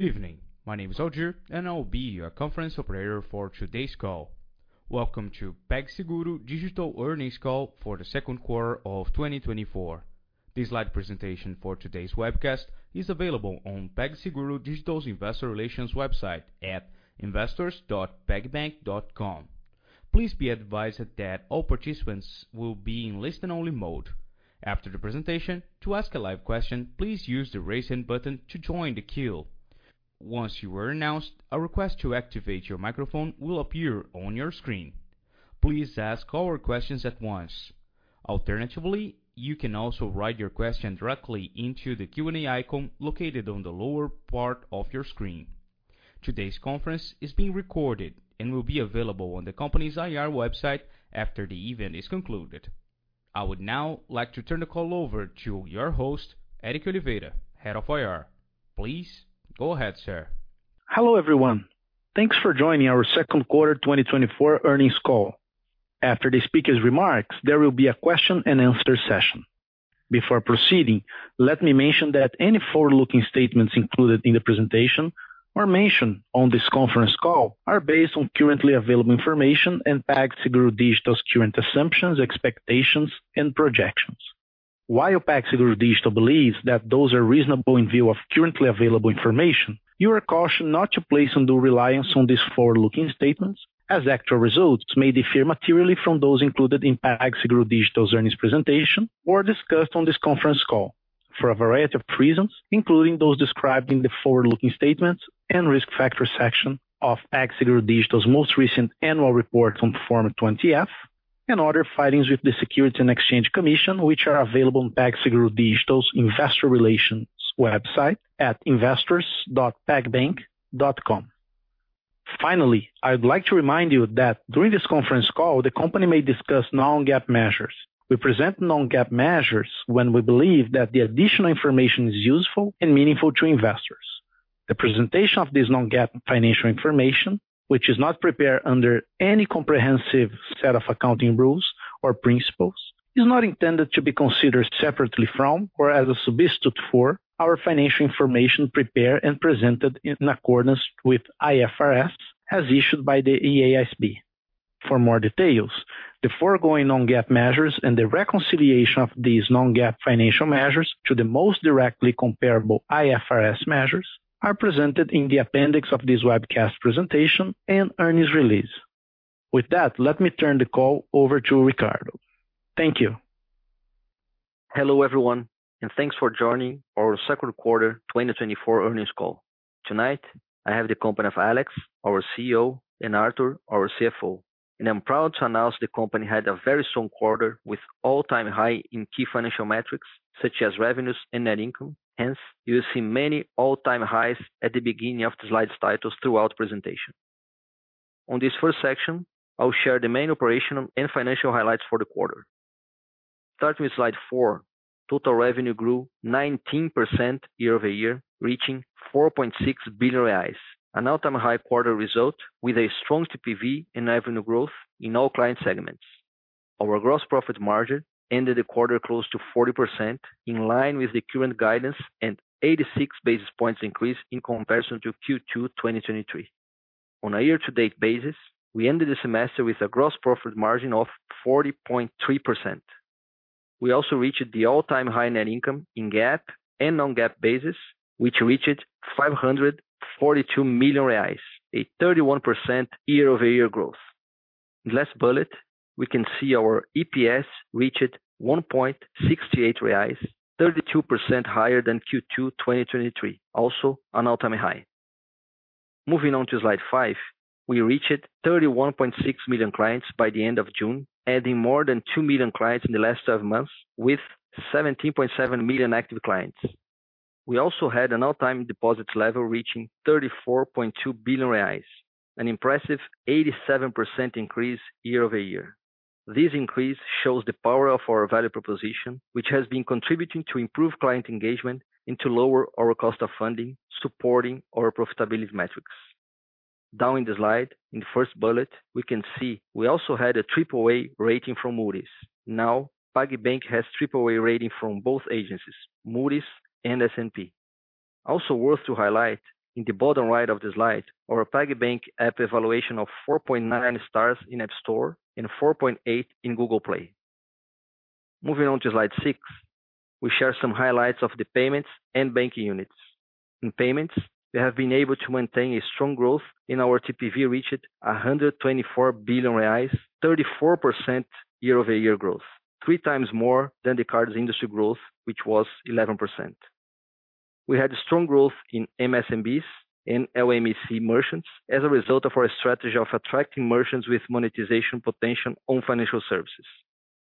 Evening. My name is Audrey, and I'll be your conference operator for today's call. Welcome to PagSeguro Digital Earnings Call for the second quarter of twenty twenty-four. This live presentation for today's webcast is available on PagSeguro Digital's investor relations website at investors.pagbank.com. Please be advised that all participants will be in listen-only mode. After the presentation, to ask a live question, please use the Raise Hand button to join the queue. Once you are announced, a request to activate your microphone will appear on your screen. Please ask all questions at once. Alternatively, you can also write your question directly into the Q&A icon located on the lower part of your screen. Today's conference is being recorded and will be available on the company's IR website after the event is concluded. I would now like to turn the call over to your host, Eric Oliveira, Head of IR. Please go ahead, sir. Hello, everyone. Thanks for joining our second quarter 2024 earnings call. After the speaker's remarks, there will be a question-and-answer session. Before proceeding, let me mention that any forward-looking statements included in the presentation or mentioned on this conference call are based on currently available information and PagSeguro Digital's current assumptions, expectations, and projections. While PagSeguro Digital believes that those are reasonable in view of currently available information, you are cautioned not to place undue reliance on these forward-looking statements, as actual results may differ materially from those included in PagSeguro Digital's earnings presentation or discussed on this conference call for a variety of reasons, including those described in the forward-looking statements and risk factor section of PagSeguro Digital's most recent annual report on Form 20-F and other filings with the Securities and Exchange Commission, which are available on PagSeguro Digital's investor relations website at investors.pagbank.com. Finally, I'd like to remind you that during this conference call, the company may discuss non-GAAP measures. We present non-GAAP measures when we believe that the additional information is useful and meaningful to investors. The presentation of this non-GAAP financial information, which is not prepared under any comprehensive set of accounting rules or principles, is not intended to be considered separately from or as a substitute for our financial information prepared and presented in accordance with IFRS, as issued by the IASB. For more details, the foregoing non-GAAP measures and the reconciliation of these non-GAAP financial measures to the most directly comparable IFRS measures are presented in the appendix of this webcast presentation and earnings release. With that, let me turn the call over to Ricardo. Thank you. Hello, everyone, and thanks for joining our second quarter twenty twenty-four earnings call. Tonight, I have the company of Alex, our CEO, and Arthur, our CFO. I'm proud to announce the company had a very strong quarter with all-time high in key financial metrics, such as revenues and net income. Hence, you will see many all-time highs at the beginning of the slide's titles throughout presentation. On this first section, I'll share the main operational and financial highlights for the quarter. Starting with Slide 4, total revenue grew 19% year over year, reaching 4.6 billion reais, an all-time high quarter result with a strong TPV and revenue growth in all client segments. Our gross profit margin ended the quarter close to 40%, in line with the current guidance and 86 basis points increase in comparison to Q2 twenty twenty-three. On a year-to-date basis, we ended the semester with a gross profit margin of 40.3%. We also reached the all-time high net income in GAAP and non-GAAP basis, which reached 542 million reais, a 31% year-over-year growth. In last bullet, we can see our EPS reached 1.68 reais, 32% higher than Q2 2023, also an all-time high. Moving on to Slide 5, we reached 31.6 million clients by the end of June, adding more than 2 million clients in the last twelve months with 17.7 million active clients. We also had an all-time deposit level, reaching 34.2 billion reais, an impressive 87% increase year over year. This increase shows the power of our value proposition, which has been contributing to improve client engagement and to lower our cost of funding, supporting our profitability metrics. Down in the slide, in the first bullet, we can see we also had a triple-A rating from Moody's. Now, PagBank has triple-A rating from both agencies, Moody's and S&P. Also worth to highlight, in the bottom right of the slide, our PagBank app evaluation of 4.9 stars in App Store and 4.8 in Google Play. Moving on to Slide six, we share some highlights of the payments and banking units. In payments, we have been able to maintain a strong growth, and our TPV reached 124 billion reais, 34% year-over-year growth, three times more than the cards industry growth, which was 11%. We had strong growth in MSMEs and Large Accounts merchants as a result of our strategy of attracting merchants with monetization potential on financial services.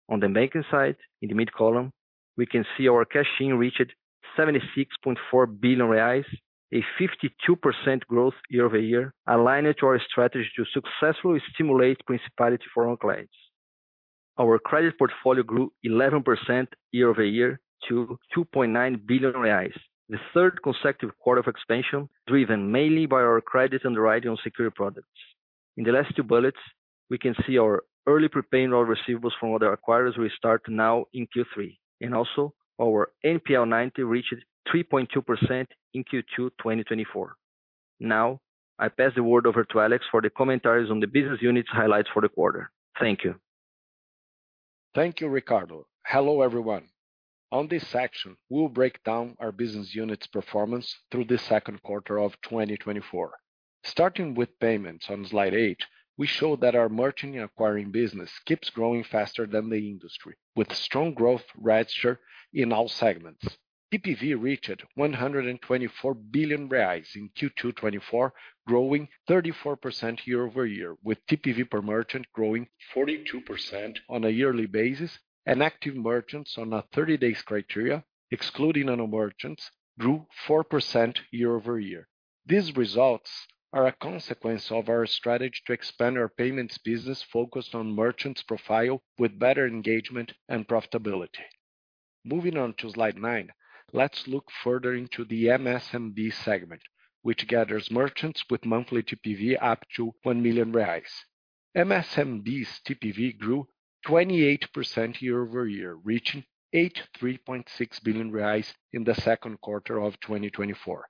On the banking side, in the mid column, we can see our cash-in reached 76.4 billion reais, a 52% growth year over year, aligned to our strategy to successfully stimulate profitability for our clients. Our credit portfolio grew 11% year over year to 2.9 billion reais, the third consecutive quarter of expansion, driven mainly by our credit underwriting on secured products. In the last two bullets, we can see our early prepaid card load receivables from other acquirers resumed now in Q3, and also our NPL 90 reached 3.2% in Q2 2024. Now, I pass the word over to Alex for the comments on the business units highlights for the quarter. Thank you. Thank you, Ricardo. Hello, everyone. On this section, we'll break down our business units' performance through the second quarter of 2024. Starting with payments on slide eight, we show that our merchant and acquiring business keeps growing faster than the industry, with strong growth registered in all segments. TPV reached 124 billion reais in Q2 2024, growing 34% year over year, with TPV per merchant growing 42% on a yearly basis, and active merchants on a 30 days criteria, excluding nano merchants, grew 4% year over year. These results are a consequence of our strategy to expand our payments business focused on merchants profile with better engagement and profitability. Moving on to slide nine, let's look further into the MSMB segment, which gathers merchants with monthly TPV up to 1 million reais. MSMB's TPV grew 28% year over year, reaching 83.6 billion reais in the second quarter of 2024.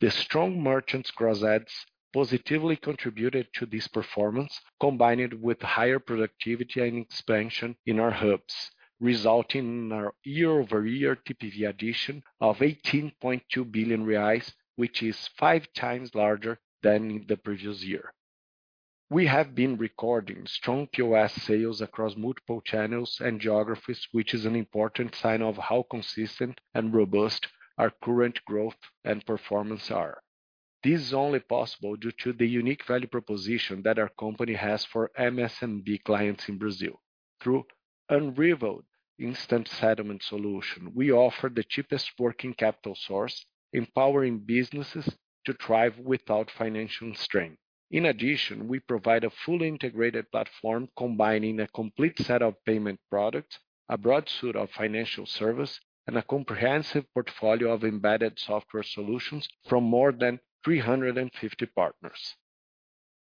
The strong merchants cross-sells positively contributed to this performance, combined with higher productivity and expansion in our hubs, resulting in a year-over-year TPV addition of 18.2 billion reais, which is five times larger than in the previous year. We have been recording strong POS sales across multiple channels and geographies, which is an important sign of how consistent and robust our current growth and performance are. This is only possible due to the unique value proposition that our company has for MSMB clients in Brazil. Through unrivaled instant settlement solution, we offer the cheapest working capital source, empowering businesses to thrive without financial constraint. In addition, we provide a fully integrated platform, combining a complete set of payment products, a broad suite of financial service, and a comprehensive portfolio of embedded software solutions from more than three hundred and fifty partners.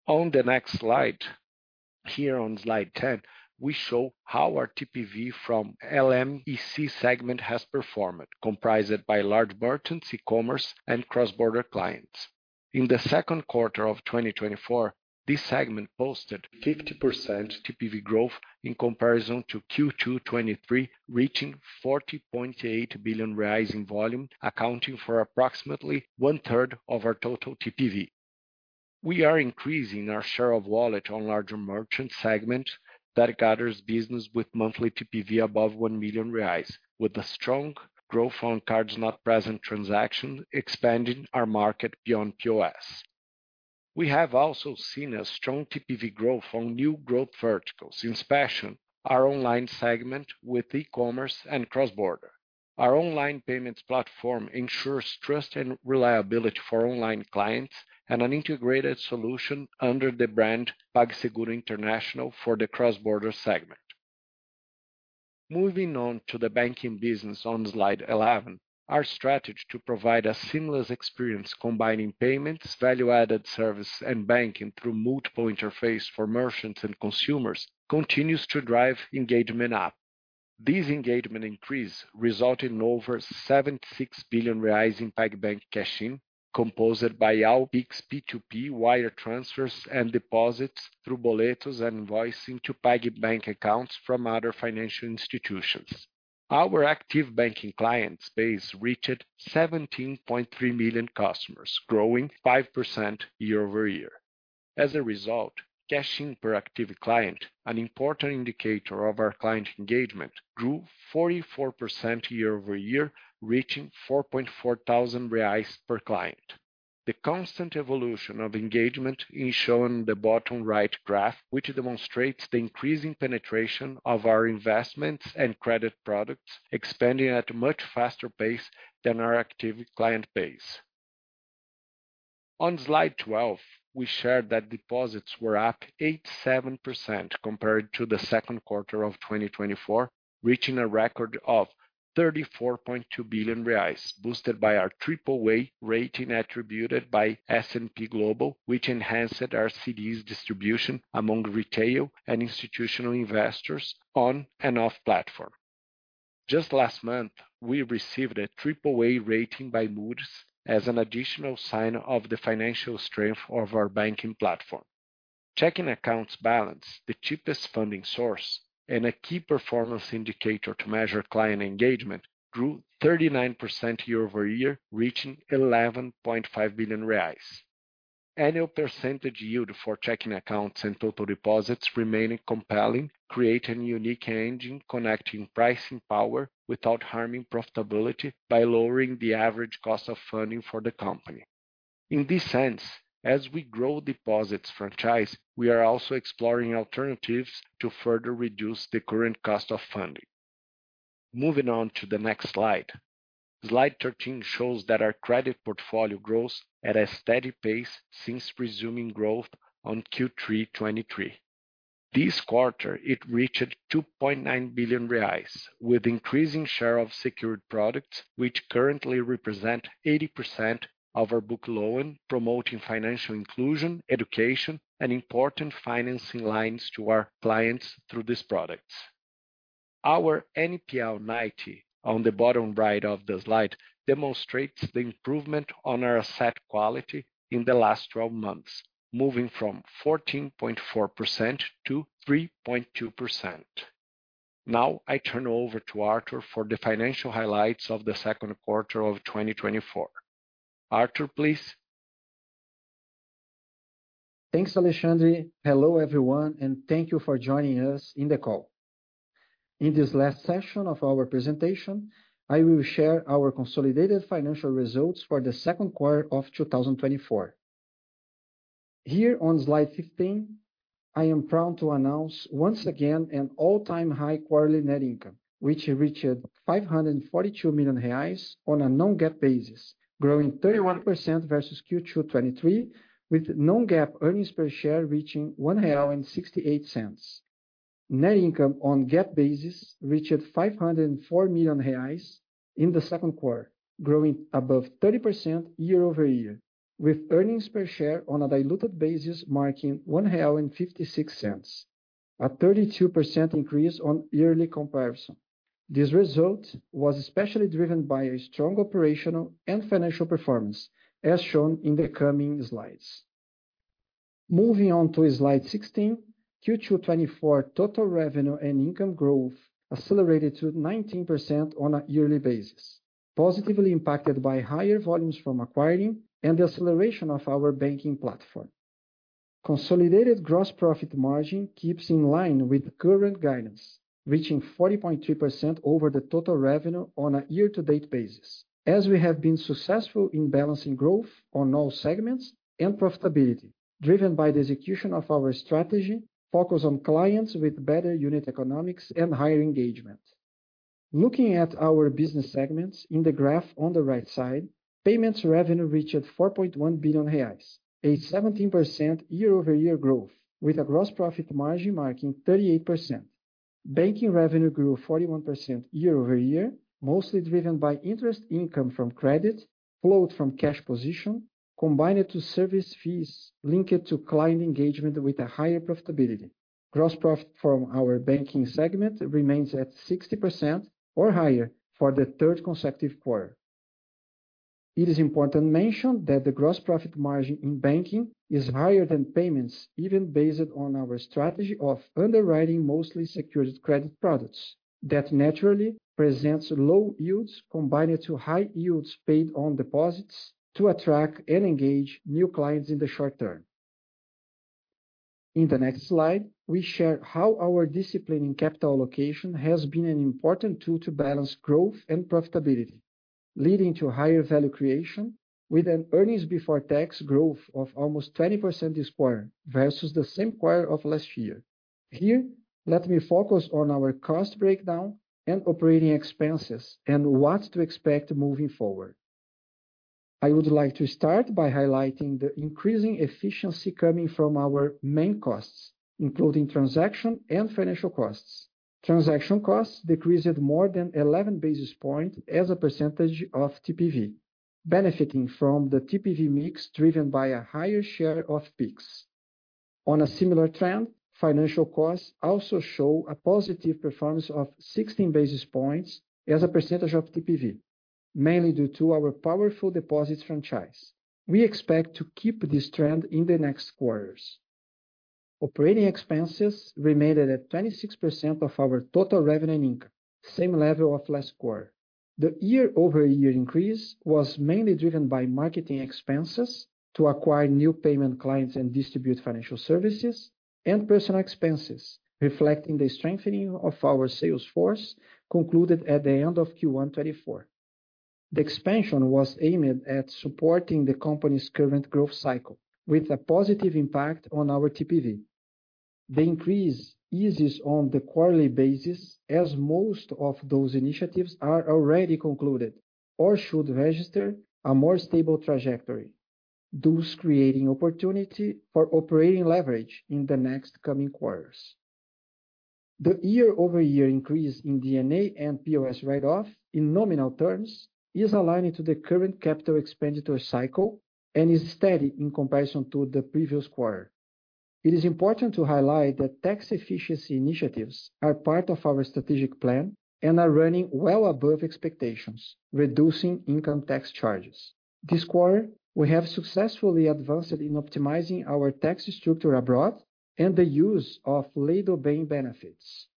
On the next slide, here on Slide 10, we show how our TPV from LMEC segment has performed, comprised by large merchants, e-commerce, and cross-border clients. In the second quarter of 2024, this segment posted 50% TPV growth in comparison to Q2 2023, reaching 40.8 billion reais in volume, accounting for approximately one third of our total TPV. We are increasing our share of wallet on larger merchant segment that gathers business with monthly TPV above 1 million reais, with a strong growth on Cards Not Present transaction, expanding our market beyond POS. We have also seen a strong TPV growth in new growth verticals, especially, our online segment with e-commerce and cross-border. Our online payments platform ensures trust and reliability for online clients, and an integrated solution under the brand PagSeguro International for the cross-border segment. Moving on to the banking business on Slide 11, our strategy to provide a seamless experience, combining payments, value-added service, and banking through multiple interfaces for merchants and consumers, continues to drive engagement up. This engagement increase resulted in over 76 billion reais in PagBank cash-in, composed by our Pix P2P wire transfers and deposits through boletos and invoicing to PagBank accounts from other financial institutions. Our active banking client base reached 17.3 million customers, growing 5% year over year. As a result, cash-in per active client, an important indicator of our client engagement, grew 44% year over year, reaching 4.4 thousand reais per client. The constant evolution of engagement is shown in the bottom right graph, which demonstrates the increasing penetration of our investments and credit products, expanding at a much faster pace than our active client base. On Slide 12, we shared that deposits were up 87% compared to the second quarter of 2024, reaching a record of 34.2 billion reais, boosted by our triple A rating attributed by S&P Global, which enhanced our CDs distribution among retail and institutional investors on and off platform. Just last month, we received a triple A rating by Moody's as an additional sign of the financial strength of our banking platform. Checking accounts balance, the cheapest funding source and a key performance indicator to measure client engagement, grew 39% year over year, reaching 11.5 billion reais. Annual percentage yield for checking accounts and total deposits remaining compelling, create a unique engine connecting pricing power without harming profitability, by lowering the average cost of funding for the company. In this sense, as we grow deposits franchise, we are also exploring alternatives to further reduce the current cost of funding. Moving on to the next slide. Slide 13 shows that our credit portfolio grows at a steady pace since resuming growth on Q3 2023. This quarter, it reached 2.9 billion reais, with increasing share of secured products, which currently represent 80% of our book loan, promoting financial inclusion, education, and important financing lines to our clients through these products. Our NPL 90 on the bottom right of the slide demonstrates the improvement on our asset quality in the last twelve months, moving from 14.4% to 3.2%. Now, I turn over to Arthur for the financial highlights of the second quarter of 2024. Arthur, please. Thanks, Alexandre. Hello, everyone, and thank you for joining us in the call. In this last session of our presentation, I will share our consolidated financial results for the second quarter of 2024. Here on slide 15, I am proud to announce once again an all-time high quarterly net income, which reached 542 million reais on a non-GAAP basis, growing 31% versus Q2 2023, with non-GAAP earnings per share reaching 1.68 real. Net income on GAAP basis reached 504 million reais in the second quarter, growing above 30% year-over-year, with earnings per share on a diluted basis marking 1.56 real, a 32% increase on yearly comparison. This result was especially driven by a strong operational and financial performance, as shown in the coming slides. Moving on to slide 16, Q2 2024 total revenue and income growth accelerated to 19% on a yearly basis, positively impacted by higher volumes from acquiring and the acceleration of our banking platform. Consolidated gross profit margin keeps in line with current guidance, reaching 40.2% over the total revenue on a year-to-date basis, as we have been successful in balancing growth on all segments and profitability, driven by the execution of our strategy, focus on clients with better unit economics and higher engagement. Looking at our business segments in the graph on the right side, payments revenue reached 4.1 billion reais, a 17% year-over-year growth, with a gross profit margin marking 38%. Banking revenue grew 41% year-over-year, mostly driven by interest income from credit, flowed from cash position, combined to service fees linked to client engagement with a higher profitability. Gross profit from our banking segment remains at 60% or higher for the third consecutive quarter. It is important to mention that the gross profit margin in banking is higher than payments, even based on our strategy of underwriting mostly secured credit products. That naturally presents low yields combined to high yields paid on deposits to attract and engage new clients in the short term. In the next slide, we share how our discipline in capital allocation has been an important tool to balance growth and profitability, leading to higher value creation with an earnings before tax growth of almost 20% this quarter versus the same quarter of last year. Here, let me focus on our cost breakdown and operating expenses and what to expect moving forward. I would like to start by highlighting the increasing efficiency coming from our main costs, including transaction and financial costs. Transaction costs decreased more than 11 basis points as a percentage of TPV, benefiting from the TPV mix, driven by a higher share of Pix. On a similar trend, financial costs also show a positive performance of 16 basis points as a percentage of TPV, mainly due to our powerful deposits franchise. We expect to keep this trend in the next quarters. Operating expenses remained at 26% of our total revenue and income, same level of last quarter. The year-over-year increase was mainly driven by marketing expenses to acquire new payment clients and distribute financial services, and personnel expenses, reflecting the strengthening of our sales force concluded at the end of Q1 2024. The expansion was aimed at supporting the company's current growth cycle with a positive impact on our TPV. The increase eases on the quarterly basis, as most of those initiatives are already concluded or should register a more stable trajectory, thus creating opportunity for operating leverage in the next coming quarters. The year-over-year increase in D&A and POS write-off in nominal terms is aligning to the current capital expenditure cycle and is steady in comparison to the previous quarter. It is important to highlight that tax efficiency initiatives are part of our strategic plan and are running well above expectations, reducing income tax charges. This quarter, we have successfully advanced in optimizing our tax structure abroad and the use of Lei do Bem benefits.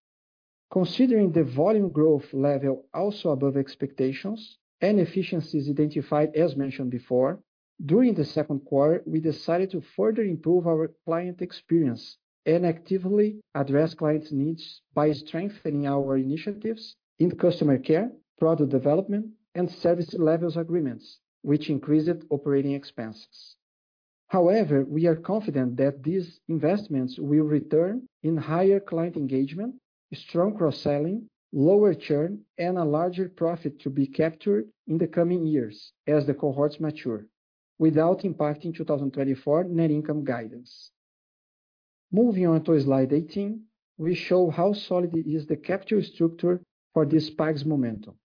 Considering the volume growth level also above expectations and efficiencies identified as mentioned before, during the second quarter, we decided to further improve our client experience and actively address clients' needs by strengthening our initiatives in customer care, product development, and service level agreements, which increased operating expenses. However, we are confident that these investments will return in higher client engagement, strong cross-selling, lower churn, and a larger profit to be captured in the coming years as the cohorts mature... without impacting two thousand and twenty-four net income guidance. Moving on to slide 18, we show how solid is the capture structure for Pix's momentum.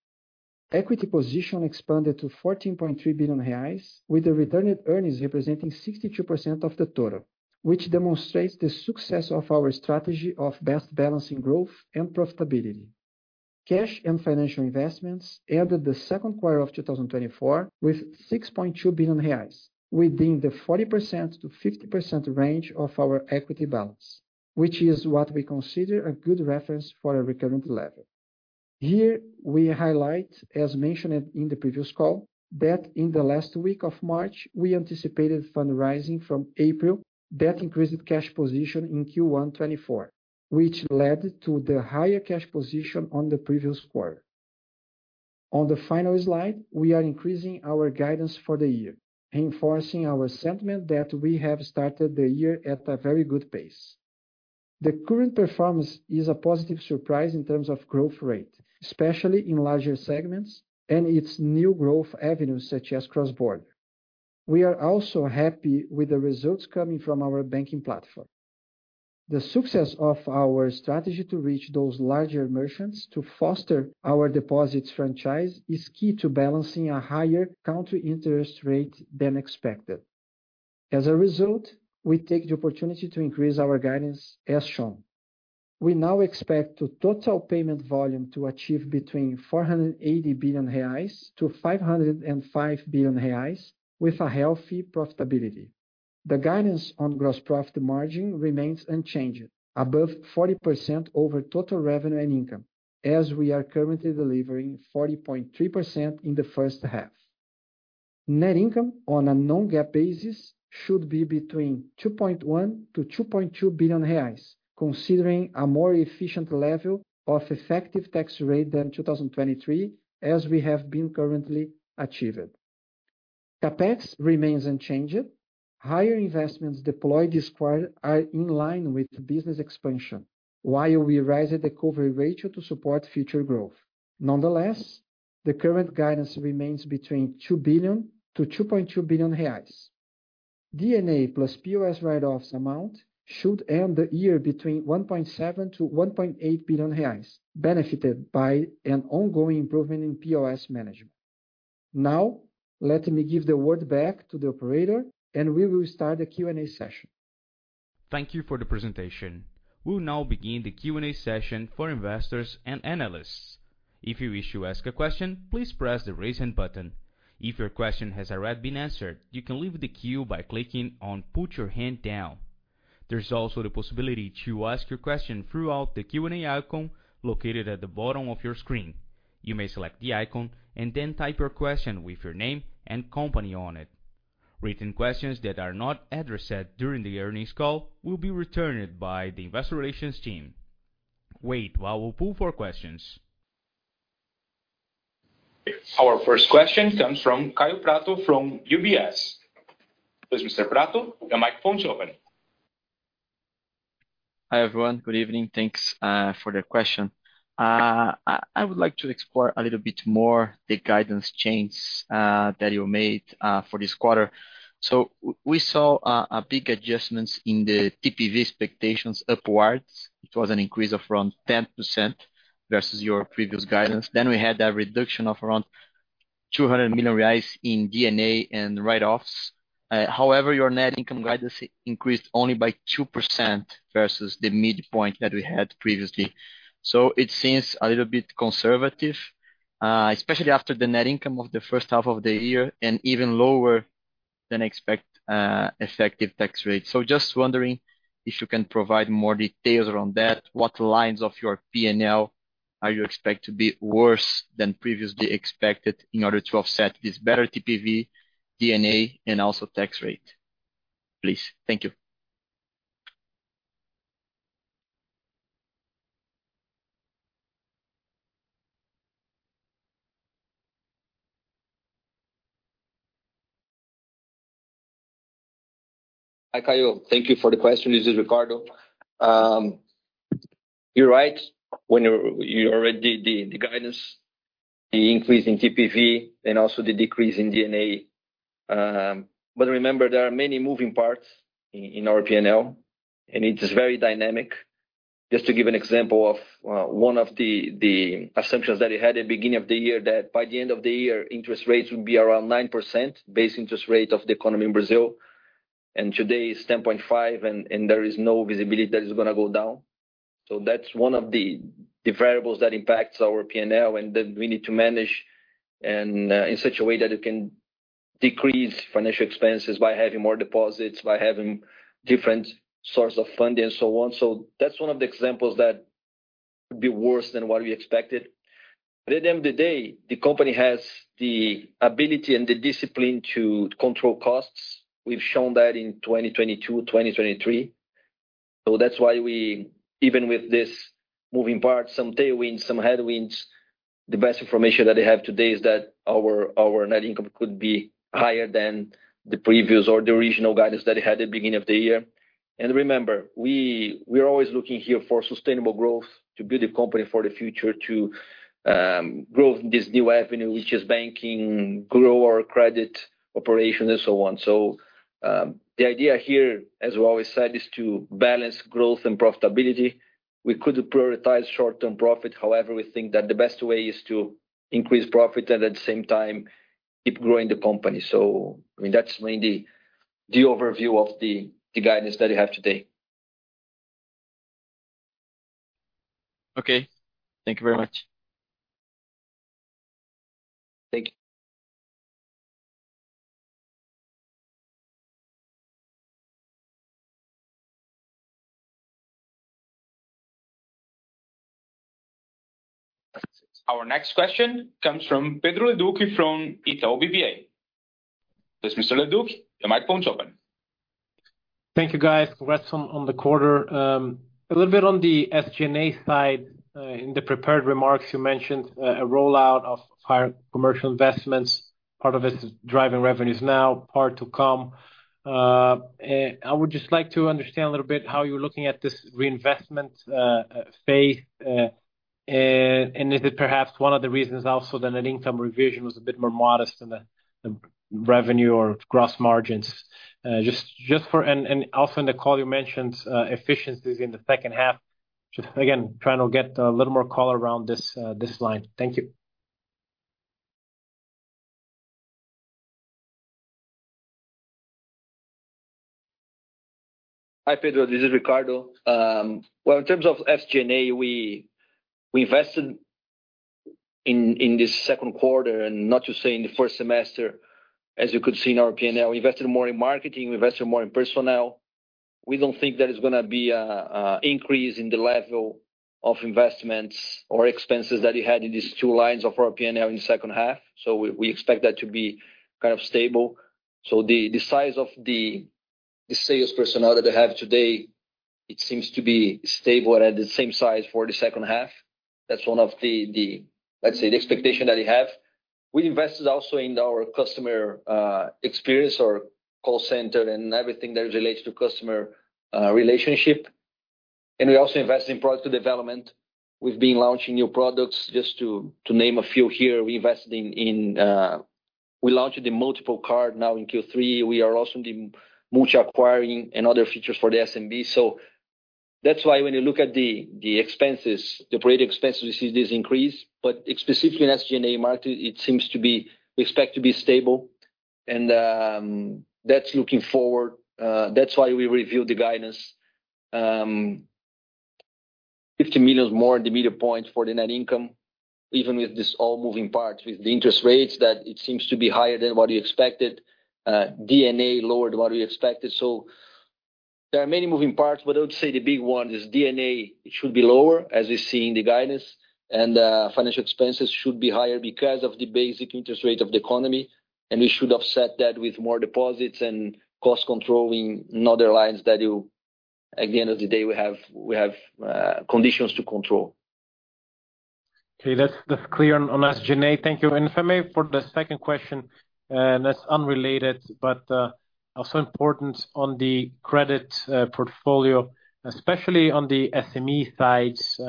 Equity position expanded to 14.3 billion reais, with the retained earnings representing 62% of the total, which demonstrates the success of our strategy of best balancing growth and profitability. Cash and financial investments ended the second quarter of two thousand and twenty-four with 6.2 billion reais, within the 40%-50% range of our equity balance, which is what we consider a good reference for a recurrent level. Here, we highlight, as mentioned in the previous call, that in the last week of March, we anticipated fundraising from April. That increased cash position in Q1 2024, which led to the higher cash position on the previous quarter. On the final slide, we are increasing our guidance for the year, reinforcing our sentiment that we have started the year at a very good pace. The current performance is a positive surprise in terms of growth rate, especially in larger segments and its new growth avenues, such as cross-border. We are also happy with the results coming from our banking platform. The success of our strategy to reach those larger merchants, to foster our deposits franchise, is key to balancing a higher country interest rate than expected. As a result, we take the opportunity to increase our guidance as shown. We now expect the total payment volume to achieve between 480 billion reais to 505 billion reais, with a healthy profitability. The guidance on gross profit margin remains unchanged, above 40% over total revenue and income, as we are currently delivering 40.3% in the first half. Net income on a non-GAAP basis should be between 2.1 billion to 2.2 billion reais, considering a more efficient level of effective tax rate than 2023, as we have been currently achieving. CapEx remains unchanged. Higher investments deployed this quarter are in line with business expansion, while we raised the recovery ratio to support future growth. Nonetheless, the current guidance remains between 2 billion to 2.2 billion reais. D&A plus POS write-offs amount should end the year between 1.7 billion to 1.8 billion reais, benefited by an ongoing improvement in POS management. Now, let me give the word back to the operator, and we will start the Q&A session. Thank you for the presentation. We'll now begin the Q&A session for investors and analysts. If you wish to ask a question, please press the Raise Hand button. If your question has already been answered, you can leave the queue by clicking on Put Your Hand Down. There's also the possibility to ask your question throughout the Q&A icon located at the bottom of your screen. You may select the icon and then type your question with your name and company on it. Written questions that are not addressed during the earnings call will be returned by the investor relations team. Wait, while we pull for questions. Our first question comes from Kaio Prato, from UBS. Please, Mr. Prato, the microphone is open. Hi, everyone. Good evening. Thanks for the question. I would like to explore a little bit more the guidance changes that you made for this quarter. So we saw a big adjustments in the TPV expectations upwards. It was an increase of around 10% versus your previous guidance. Then we had a reduction of around 200 million reais in DNA and write-offs. However, your net income guidance increased only by 2% versus the midpoint that we had previously. So it seems a little bit conservative, especially after the net income of the first half of the year and even lower than expect effective tax rate. So just wondering if you can provide more details around that. What lines of your P&L are you expect to be worse than previously expected in order to offset this better TPV, DNA, and also tax rate, please? Thank you. Hi, Caio. Thank you for the question. This is Ricardo. You're right, when you already did the guidance, the increase in TPV and also the decrease in DNA. But remember, there are many moving parts in our PNL, and it is very dynamic. Just to give an example of one of the assumptions that we had at the beginning of the year, that by the end of the year, interest rates would be around 9%, base interest rate of the economy in Brazil, and today is 10.5%, and there is no visibility that is gonna go down. So that's one of the variables that impacts our PNL, and that we need to manage, and in such a way that it can decrease financial expenses by having more deposits, by having different source of funding and so on. That's one of the examples that could be worse than what we expected. But at the end of the day, the company has the ability and the discipline to control costs. We've shown that in 2022, 2023. That's why we, even with this moving parts, some tailwinds, some headwinds. The best information that I have today is that our net income could be higher than the previous or the original guidance that I had at the beginning of the year. And remember, we're always looking here for sustainable growth to build a company for the future, to grow this new avenue, which is banking, grow our credit operation, and so on. So, the idea here, as we always said, is to balance growth and profitability. We could prioritize short-term profit. However, we think that the best way is to increase profit and at the same time, keep growing the company. So, I mean, that's mainly the overview of the guidance that I have today. Okay, thank you very much. Thank you. Our next question comes from Pedro Leduc from Itaú BBA. Yes, Mr. Leduc, your microphone's open. Thank you, guys. Congrats on the quarter. A little bit on the SG&A side. In the prepared remarks, you mentioned a rollout of higher commercial investments. Part of it is driving revenues now, part to come. I would just like to understand a little bit how you're looking at this reinvestment phase, and is it perhaps one of the reasons also that an income revision was a bit more modest than the revenue or gross margins? Just for... And also in the call you mentioned efficiencies in the second half. Just again, trying to get a little more color around this line. Thank you. Hi, Pedro, this is Ricardo. Well, in terms of SG&A, we invested in this second quarter and not to say in the first semester, as you could see in our P&L, we invested more in marketing, we invested more in personnel. We don't think there is gonna be a increase in the level of investments or expenses that we had in these two lines of our P&L in the second half. So we expect that to be kind of stable. So the size of the sales personnel that I have today, it seems to be stable and at the same size for the second half. That's one of the, let's say, the expectation that I have. We invested also in our customer experience or call center and everything that relates to customer relationship. And we also invested in product development. We've been launching new products, just to name a few here, we invested in. We launched the multiple card now in Q3. We are also doing much acquiring and other features for the SMB. So that's why when you look at the expenses, the operating expenses, you see this increase, but specifically in SG&A margin, it seems to be. We expect to be stable. And that's looking forward. That's why we reviewed the guidance, 50 million more in the midpoint for the net income, even with this all moving parts, with the interest rates, that it seems to be higher than what we expected. D&A lowered what we expected. So there are many moving parts, but I would say the big one is D&A, it should be lower, as you see in the guidance. Financial expenses should be higher because of the basic interest rate of the economy, and we should offset that with more deposits and cost controlling in other lines that you, at the end of the day, we have conditions to control. Okay, that's clear on SG&A. Thank you. And if I may, for the second question, that's unrelated, but also important on the credit portfolio, especially on the SME sides,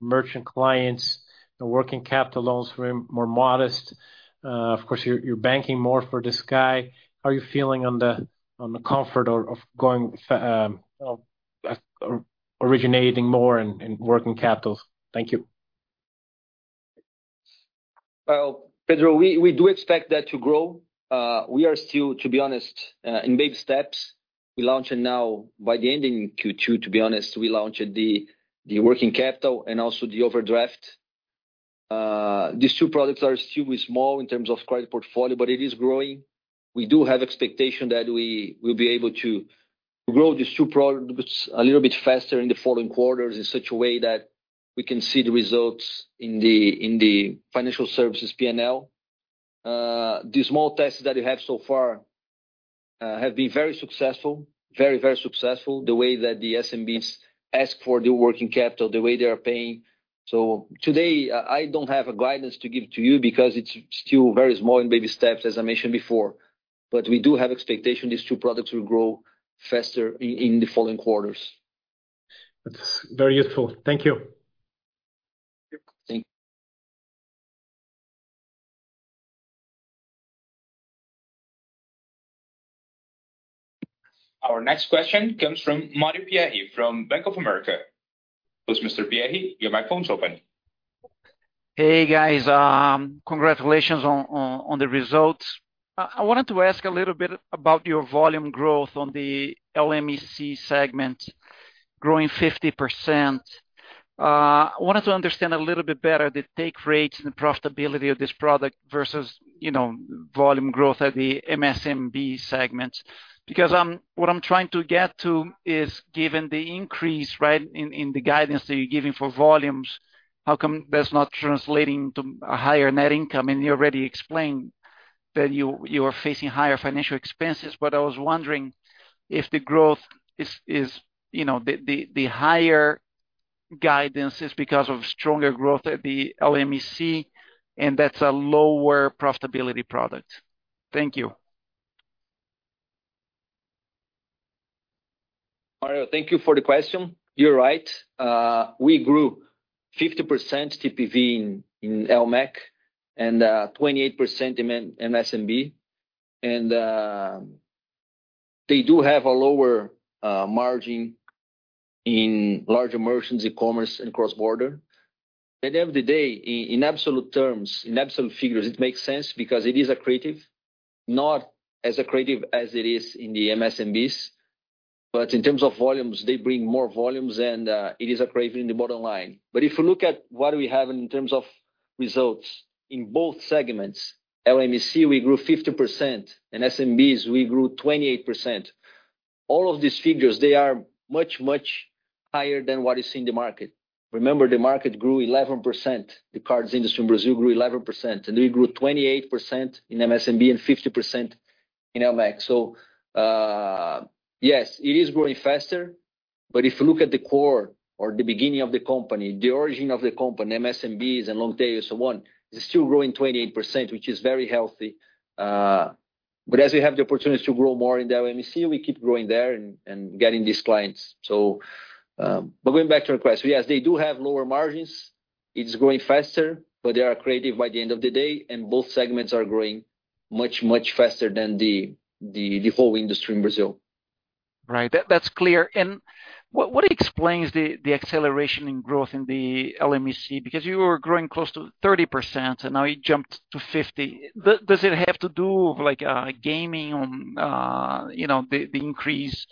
merchant clients, the working capital loans were more modest. Of course, you're banking more for this guy. How are you feeling on the comfort of going, originating more in working capital? Thank you. Pedro, we do expect that to grow. We are still, to be honest, in baby steps. We're launching now, by the end in Q2, to be honest, we launched the working capital and also the overdraft. These two products are still small in terms of credit portfolio, but it is growing. We do have expectation that we will be able to grow these two products a little bit faster in the following quarters in such a way that we can see the results in the financial services P&L. The small tests that we have so far have been very successful, very, very successful. The way that the SMBs ask for the working capital, the way they are paying. Today, I don't have a guidance to give to you because it's still very small in baby steps, as I mentioned before, but we do have expectation these two products will grow faster in the following quarters. That's very useful. Thank you. Thank you. Our next question comes from Mario Pierry from Bank of America. Yes, Mr. Pierry, your microphone's open. Hey, guys, congratulations on the results. I wanted to ask a little bit about your volume growth on the LMEC segment, growing 50%. I wanted to understand a little bit better, the take rates and the profitability of this product versus, you know, volume growth at the MSMB segment. Because, what I'm trying to get to is, given the increase, right, in the guidance that you're giving for volumes, how come that's not translating to a higher net income? And you already explained that you are facing higher financial expenses, but I was wondering if the growth is, you know, the higher guidance is because of stronger growth at the LMEC, and that's a lower profitability product. Thank you. Mario, thank you for the question. You're right. We grew 50% TPV in LMEC and 28% in MSMB. And they do have a lower margin in large merchants, e-commerce, and cross-border. At the end of the day, in absolute terms, in absolute figures, it makes sense because it is accretive, not as accretive as it is in the MSMBs, but in terms of volumes, they bring more volumes than it is accretive in the bottom line. But if you look at what we have in terms of results in both segments, LMEC, we grew 50%, and MSMBs, we grew 28%. All of these figures, they are much, much higher than what is in the market. Remember, the market grew 11%. The cards industry in Brazil grew 11%, and we grew 28% in MSMB and 50% in LMEC. So, yes, it is growing faster, but if you look at the core or the beginning of the company, the origin of the company, MSMBs and Longtail and so on, it's still growing 28%, which is very healthy. But as we have the opportunity to grow more in the LMEC, we keep growing there and getting these clients. So, but going back to your question, yes, they do have lower margins. It's growing faster, but they are accretive by the end of the day, and both segments are growing much, much faster than the whole industry in Brazil. Right. That's clear. And what explains the acceleration in growth in the LMEC? Because you were growing close to 30%, and now you jumped to 50%. Does it have to do with, like, gaming on, you know, the increase?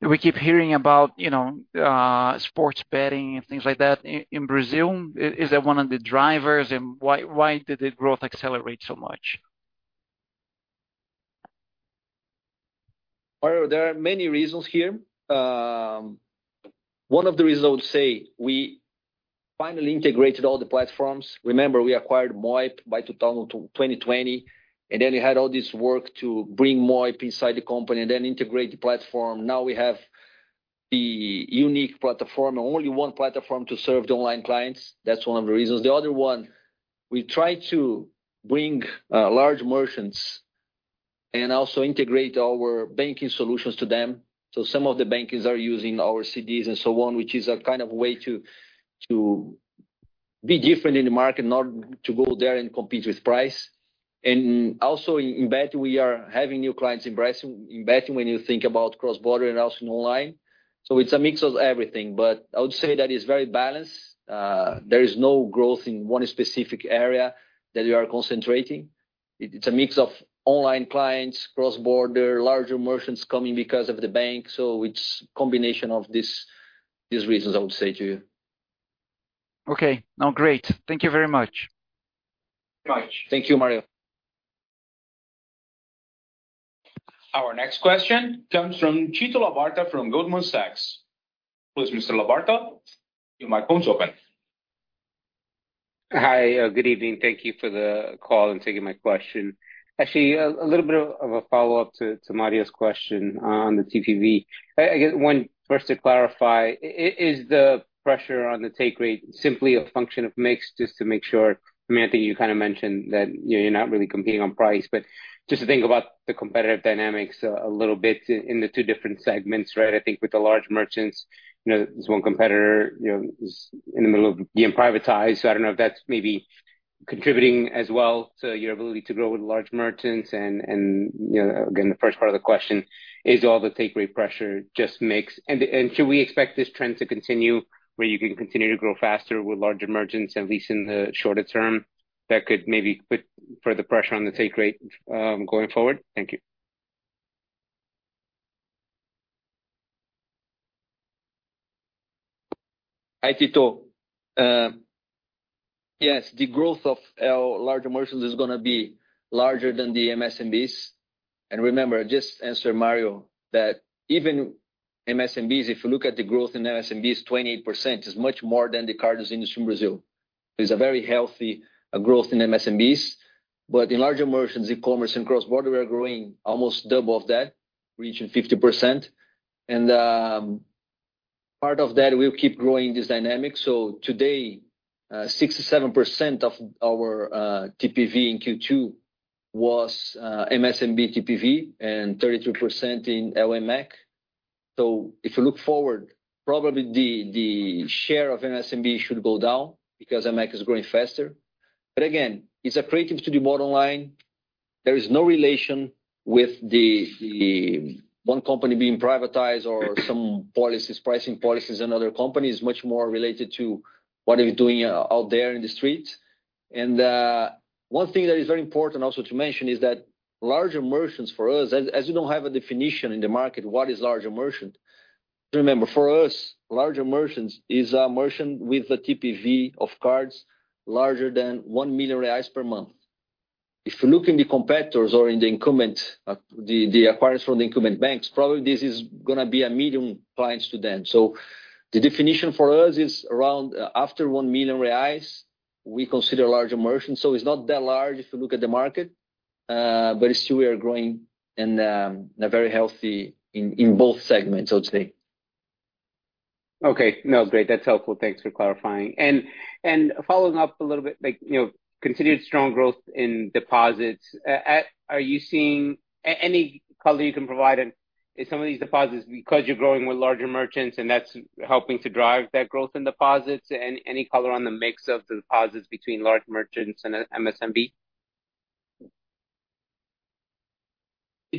We keep hearing about, you know, sports betting and things like that in Brazil. Is that one of the drivers, and why did the growth accelerate so much? There are many reasons here. One of the reasons I would say, we finally integrated all the platforms. Remember, we acquired Moip by 2020, and then we had all this work to bring Moip inside the company and then integrate the platform. Now we have the unique platform and only one platform to serve the online clients. That's one of the reasons. The other one, we try to bring large merchants and also integrate our banking solutions to them. So some of the bankers are using our CDs and so on, which is a kind of way to be different in the market, not to go there and compete with price. Also in betting, we are having new clients in Brazil. In betting, when you think about cross-border and also in online. So it's a mix of everything, but I would say that it's very balanced. There is no growth in one specific area that we are concentrating. It's a mix of online clients, cross-border, larger merchants coming because of the bank, so it's combination of these reasons, I would say to you. Okay. Now, great. Thank you very much. Right. Thank you, Mario. Our next question comes from Tito Labarta from Goldman Sachs. Please, Mr. Labarta, your microphone's open. Hi, good evening. Thank you for the call and taking my question. Actually, a little bit of a follow-up to Mario's question on the TPV. I guess. First to clarify, is the pressure on the take rate simply a function of mix, just to make sure? I mean, I think you kind of mentioned that, you know, you're not really competing on price. But just to think about the competitive dynamics a little bit in the two different segments, right? I think with the large merchants, you know, there's one competitor, you know, is in the middle of being privatized. So I don't know if that's maybe contributing as well to your ability to grow with large merchants. And, you know, again, the first part of the question, is all the take rate pressure just mix? Should we expect this trend to continue, where you can continue to grow faster with larger merchants, at least in the shorter term, that could maybe put further pressure on the take rate, going forward? Thank you. Hi, Tito. Yes, the growth of our large merchants is gonna be larger than the MSMBs. And remember, I just answered Mario that even MSMBs, if you look at the growth in MSMBs, 28% is much more than the cards industry in Brazil. There's a very healthy growth in MSMBs, but in large merchants, e-commerce and cross-border, we are growing almost double of that, reaching 50%. And part of that, we'll keep growing this dynamic. So today, 67% of our TPV in Q2 was MSMB TPV, and 32% in LMEC. So if you look forward, probably the share of MSMB should go down because LMEC is growing faster. But again, it's accretive to the bottom line. There is no relation with the one company being privatized or some policies, pricing policies in other companies. Much more related to what we are doing out there in the streets. One thing that is very important also to mention is that large merchants for us, as we don't have a definition in the market, what is large merchant? Remember, for us, large merchants is a merchant with a TPV of cards larger than 1 million reais per month. If you look in the competitors or in the incumbent, the acquiring from the incumbent banks, probably this is gonna be a medium clients to them. So the definition for us is around, after 1 million reais we consider large merchants, so it's not that large if you look at the market, but still we are growing in a very healthy in both segments, I would say. Okay. No, great. That's helpful. Thanks for clarifying. And following up a little bit, like, you know, continued strong growth in deposits. Are you seeing any color you can provide in some of these deposits, because you're growing with larger merchants, and that's helping to drive that growth in deposits? And any color on the mix of the deposits between large merchants and MSMB?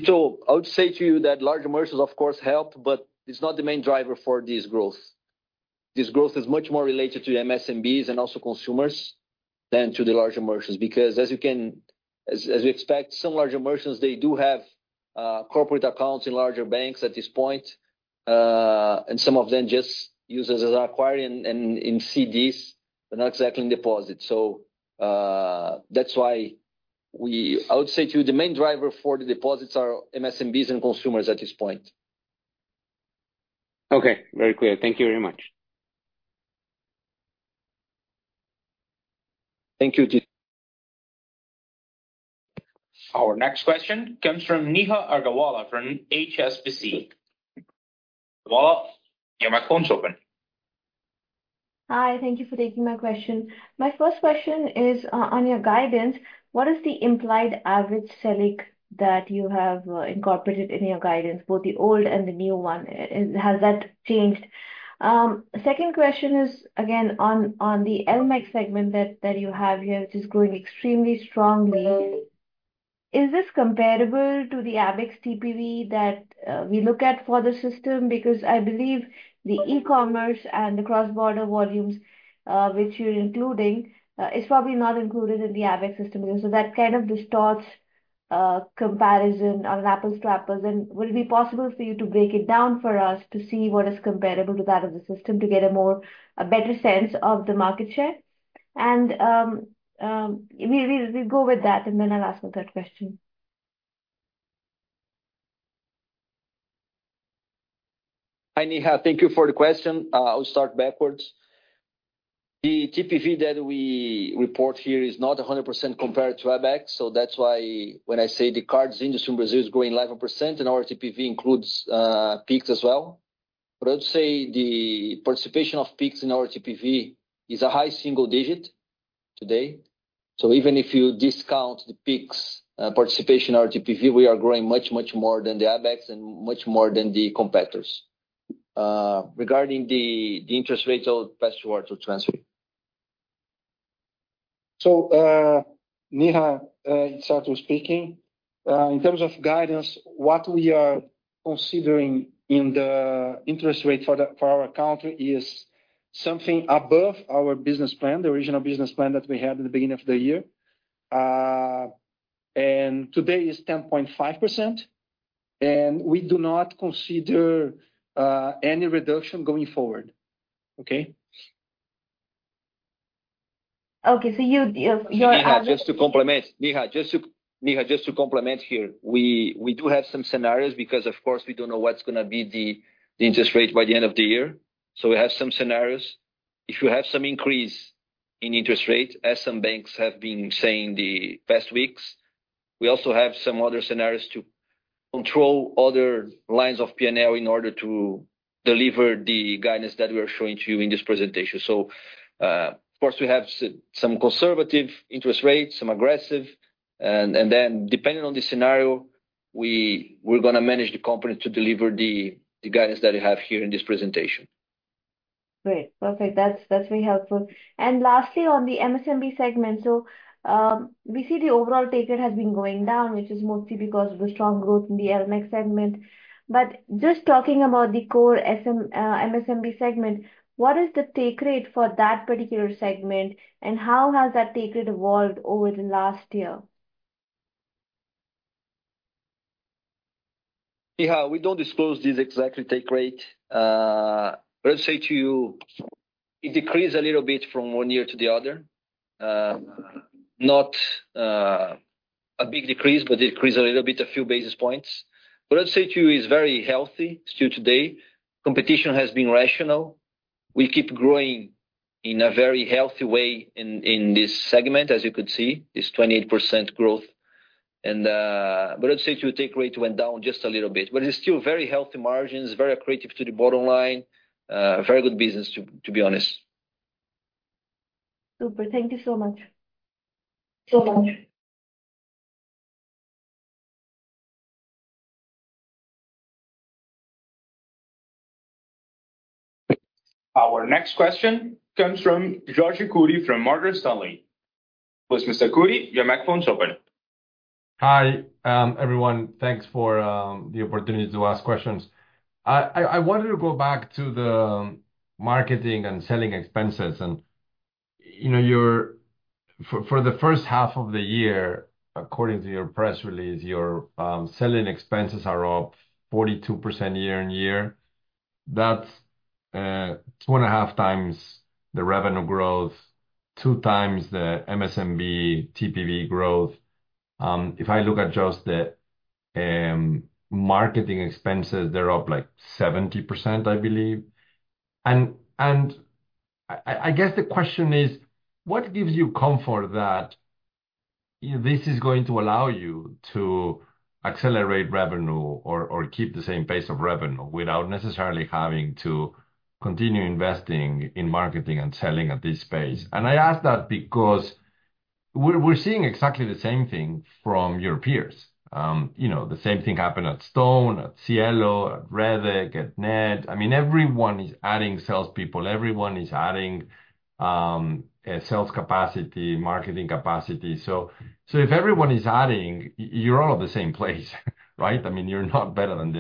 So I would say to you that large merchants of course help, but it's not the main driver for this growth. This growth is much more related to MSMBs and also consumers than to the large merchants. Because as we expect, some large merchants they do have corporate accounts in larger banks at this point, and some of them just use us as acquiring and in CDs, but not exactly in deposits. That's why I would say to you, the main driver for the deposits are MSMBs and consumers at this point. Okay. Very clear. Thank you very much. Thank you, Tito. Our next question comes from Neha Agarwala from HSBC. Agarwala, your microphone is open. Hi, thank you for taking my question. My first question is on your guidance. What is the implied average Selic that you have incorporated in your guidance, both the old and the new one? And has that changed? Second question is, again, on the LMEC segment that you have here, which is growing extremely strongly. Is this comparable to the ABECS TPV that we look at for the system? Because I believe the e-commerce and the cross-border volumes which you're including is probably not included in the ABECS system. So that kind of distorts comparison on an apples to apples. And will it be possible for you to break it down for us to see what is comparable to that of the system, to get a more, a better sense of the market share? We'll go with that, and then I'll ask my third question. Hi, Neha, thank you for the question. I'll start backwards. The TPV that we report here is not 100% compared to ABECS. So that's why when I say the cards industry in Brazil is growing 11%, and our TPV includes Pix as well. But I'd say the participation of Pix in our TPV is a high single digit today. So even if you discount the Pix participation in our TPV, we are growing much, much more than the ABECS and much more than the competitors. Regarding the interest rates, I'll pass it over to Arthur. Neha, Arthur speaking. In terms of guidance, what we are considering in the interest rate for our country is something above our business plan, the original business plan that we had in the beginning of the year. Today is 10.5%, and we do not consider any reduction going forward. Okay? Okay, so you, your. Neha, just to complement here, we do have some scenarios because of course we don't know what's gonna be the interest rate by the end of the year, so we have some scenarios. If you have some increase in interest rate, as some banks have been saying the past weeks, we also have some other scenarios to control other lines of P&L in order to deliver the guidance that we are showing to you in this presentation. Of course, we have some conservative interest rates, some aggressive, and then depending on the scenario, we're gonna manage the company to deliver the guidance that you have here in this presentation. Great, perfect. That's, that's very helpful. And lastly, on the MSMB segment, so, we see the overall take rate has been going down, which is mostly because of the strong growth in the LMEC segment. But just talking about the core MSMB segment, what is the take rate for that particular segment, and how has that take rate evolved over the last year? Neha, we don't disclose this exact take rate, but I'd say to you, it decreased a little bit from one year to the other. Not a big decrease, but decreased a little bit, a few basis points. But I'd say to you, it's very healthy still today. Competition has been rational. We keep growing in a very healthy way in this segment, as you could see, this 28% growth. But I'd say to you, take rate went down just a little bit. But it's still very healthy margins, very accretive to the bottom line. Very good business, to be honest. Super. Thank you so much. So much. Our next question comes from Jorge Kuri from Morgan Stanley. Mr. Kuri, your microphone is open. Hi, everyone. Thanks for the opportunity to ask questions. I wanted to go back to the marketing and selling expenses. And, you know, your. For the first half of the year, according to your press release, your selling expenses are up 42% year on year. That's two and a half times the revenue growth, two times the MSMB TPV growth. If I look at just the marketing expenses, they're up, like, 70%, I believe. And I guess the question is: What gives you comfort that this is going to allow you to accelerate revenue or keep the same pace of revenue without necessarily having to continue investing in marketing and selling at this pace? And I ask that because we're seeing exactly the same thing from your peers. You know, the same thing happened at Stone, at Cielo, at Rede, at Getnet. I mean, everyone is adding salespeople, everyone is adding a sales capacity, marketing capacity. So if everyone is adding, you're all at the same place, right? I mean, you're not better than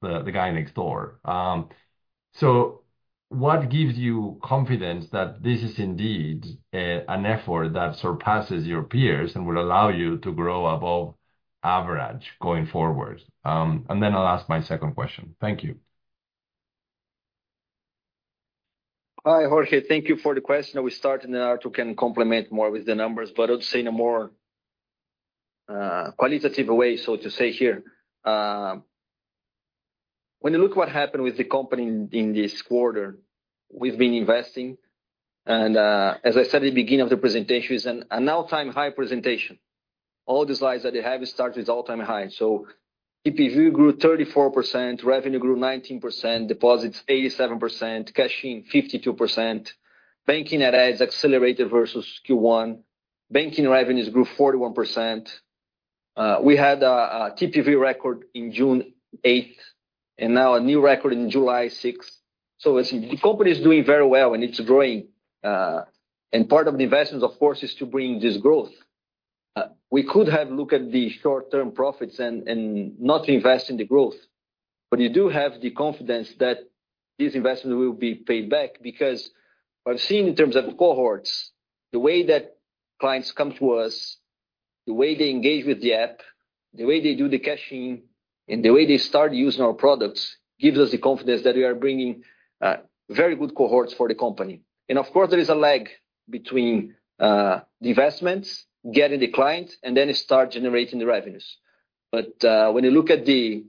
the guy next door. So what gives you confidence that this is indeed an effort that surpasses your peers and will allow you to grow above average going forward? And then I'll ask my second question. Thank you. Hi, Jorge. Thank you for the question. I will start, and then Arthur can complement more with the numbers. But I would say in a more qualitative way, so to say here, when you look what happened with the company in this quarter, we've been investing, and as I said at the beginning of the presentation, it's an all-time high presentation. All the slides that you have started with all-time high. So TPV grew 34%, revenue grew 19%, deposits 87%, cash-in 52%, banking net adds accelerated versus Q1, banking revenues grew 41%. We had a TPV record in June 8th, and now a new record in July 6th. So the company is doing very well, and it's growing, and part of the investments, of course, is to bring this growth. We could have looked at the short-term profits and not invest in the growth, but you do have the confidence that this investment will be paid back because I've seen in terms of cohorts, the way that clients come to us, the way they engage with the app, the way they do the cash-in, and the way they start using our products, gives us the confidence that we are bringing very good cohorts for the company. And of course, there is a lag between the investments, getting the client, and then it start generating the revenues. But when you look at the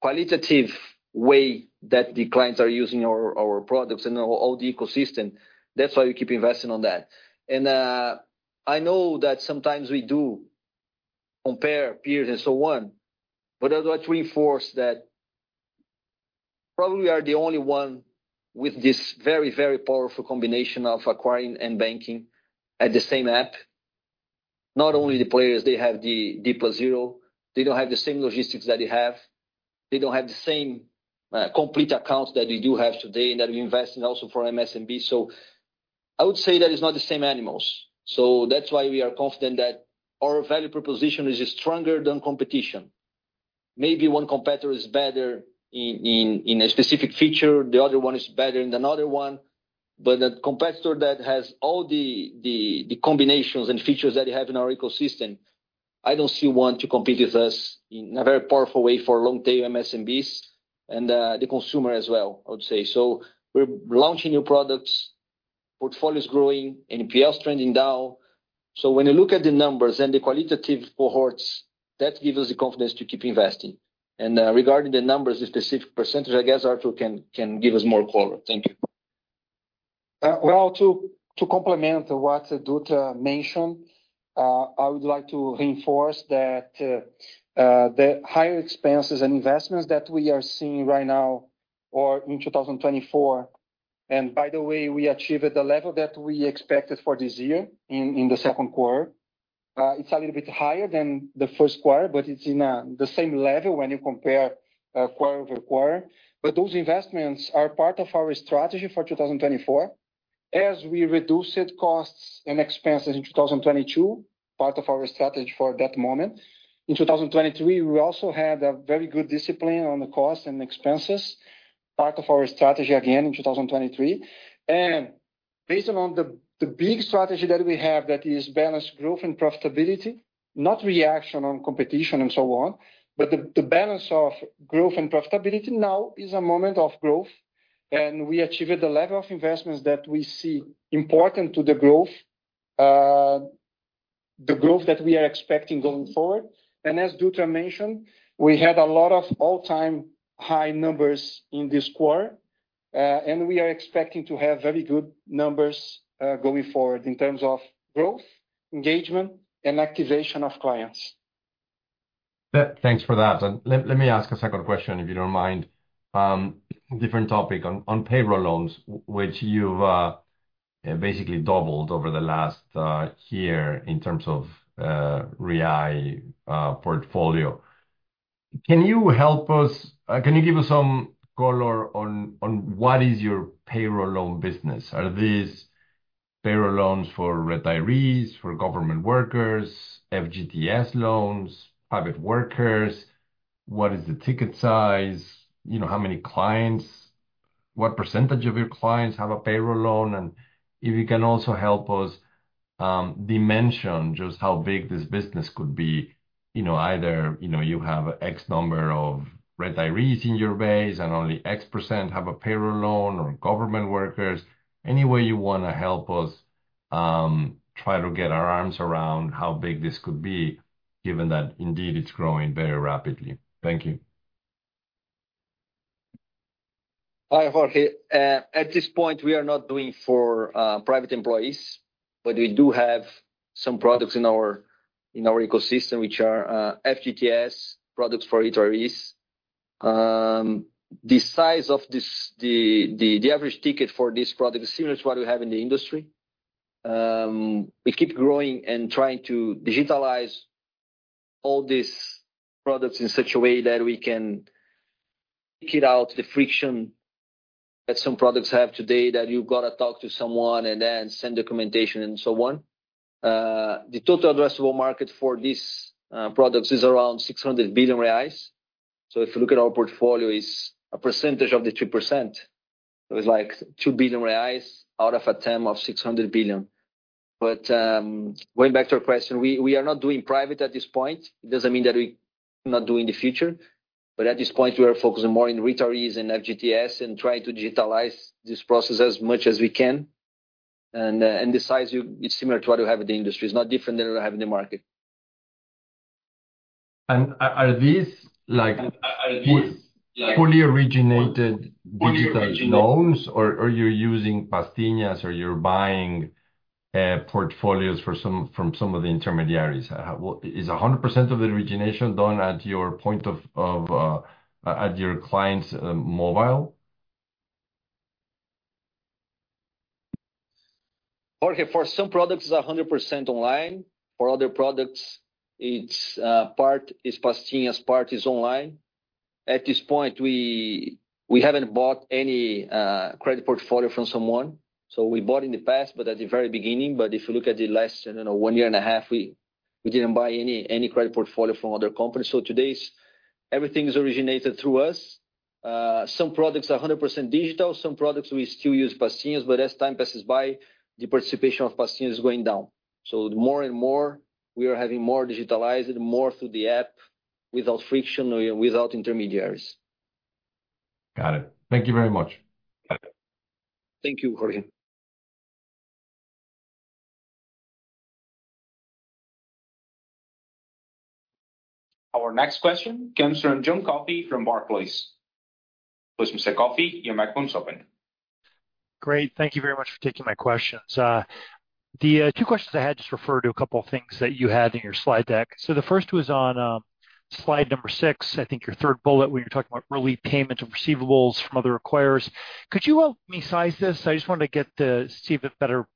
qualitative way that the clients are using our products and all the ecosystem, that's why we keep investing on that. I know that sometimes we do compare peers and so on, but I'd like to reinforce that probably we are the only one with this very, very powerful combination of acquiring and banking at the same app. Not only the players, they have the D+0, they don't have the same logistics that we have. They don't have the same complete accounts that we do have today and that we're investing also for MSMB. So I would say that it's not the same animals. So that's why we are confident that our value proposition is stronger than competition. Maybe one competitor is better in a specific feature, the other one is better than another one, but the competitor that has all the combinations and features that we have in our ecosystem, I don't see one to compete with us in a very powerful way for long-term MSMBs and the consumer as well, I would say. So we're launching new products, portfolio is growing, NPL is trending down. So when you look at the numbers and the qualitative cohorts, that gives us the confidence to keep investing. And regarding the numbers, the specific percentage, I guess Arthur can give us more color. Thank you. Well, to complement what Dutra mentioned, I would like to reinforce that the higher expenses and investments that we are seeing right now or in 2024, and by the way, we achieved the level that we expected for this year in the second quarter. It's a little bit higher than the first quarter, but it's in the same level when you compare quarter over quarter. But those investments are part of our strategy for 2024. As we reduced costs and expenses in 2022, part of our strategy for that moment, in 2023, we also had a very good discipline on the cost and expenses, part of our strategy again in 2023. Based on the big strategy that we have, that is balanced growth and profitability, not reaction on competition and so on, but the balance of growth and profitability now is a moment of growth, and we achieved the level of investments that we see important to the growth, the growth that we are expecting going forward. As Dutra mentioned, we had a lot of all-time high numbers in this quarter, and we are expecting to have very good numbers going forward in terms of growth, engagement, and activation of clients. Thanks for that. And let me ask a second question, if you don't mind. Different topic on payroll loans, which you've basically doubled over the last year in terms of Reais portfolio. Can you help us? Can you give us some color on what is your payroll loan business? Are these payroll loans for retirees, for government workers, FGTS loans, private workers? What is the ticket size? You know, how many clients? What percentage of your clients have a payroll loan? And if you can also help us dimension just how big this business could be, you know, either, you know, you have X number of retirees in your base, and only X% have a payroll loan or government workers. Any way you wanna help us... Try to get our arms around how big this could be, given that indeed it's growing very rapidly. Thank you. Hi, Jorge. At this point, we are not doing for private employees, but we do have some products in our ecosystem, which are FGTS products for retirees. The size of this, the average ticket for this product is similar to what we have in the industry. We keep growing and trying to digitalize all these products in such a way that we can kick it out, the friction that some products have today, that you've got to talk to someone and then send documentation, and so on. The total addressable market for these products is around 600 billion reais. So if you look at our portfolio, it's a percentage of the 3%. It was like 2 billion reais out of a TAM of 600 billion. But, going back to your question, we are not doing private at this point. It doesn't mean that we not do in the future, but at this point, we are focusing more on retirees and FGTS and trying to digitalize this process as much as we can. And the size, it's similar to what we have in the industry. It's not different than what we have in the market. Are these, like, fully originated digital loans? Or you're using Pastinhas or you're buying portfolios from some of the intermediaries? Well, is 100% of the origination done at your point of at your client's mobile? Jorge, for some products, it's 100% online. For other products, it's part is pastinhas, part is online. At this point, we haven't bought any credit portfolio from someone. So we bought in the past, but at the very beginning. But if you look at the last, I don't know, one year and a half, we didn't buy any credit portfolio from other companies. So today's everything is originated through us. Some products are 100% digital. Some products we still use pastinhas, but as time passes by, the participation of pastinhas is going down. So more and more, we are having more digitalized and more through the app without friction or without intermediaries. Got it. Thank you very much. Thank you, Jorge. Our next question comes from John Coffey from Barclays. Mr. Coffey, your microphone is open. Great. Thank you very much for taking my questions. The two questions I had just referred to a couple of things that you had in your slide deck. So the first was on slide number six, I think your third bullet, when you're talking about early payments and receivables from other acquirers. Could you help me size this? I just wanted to get to see if it better.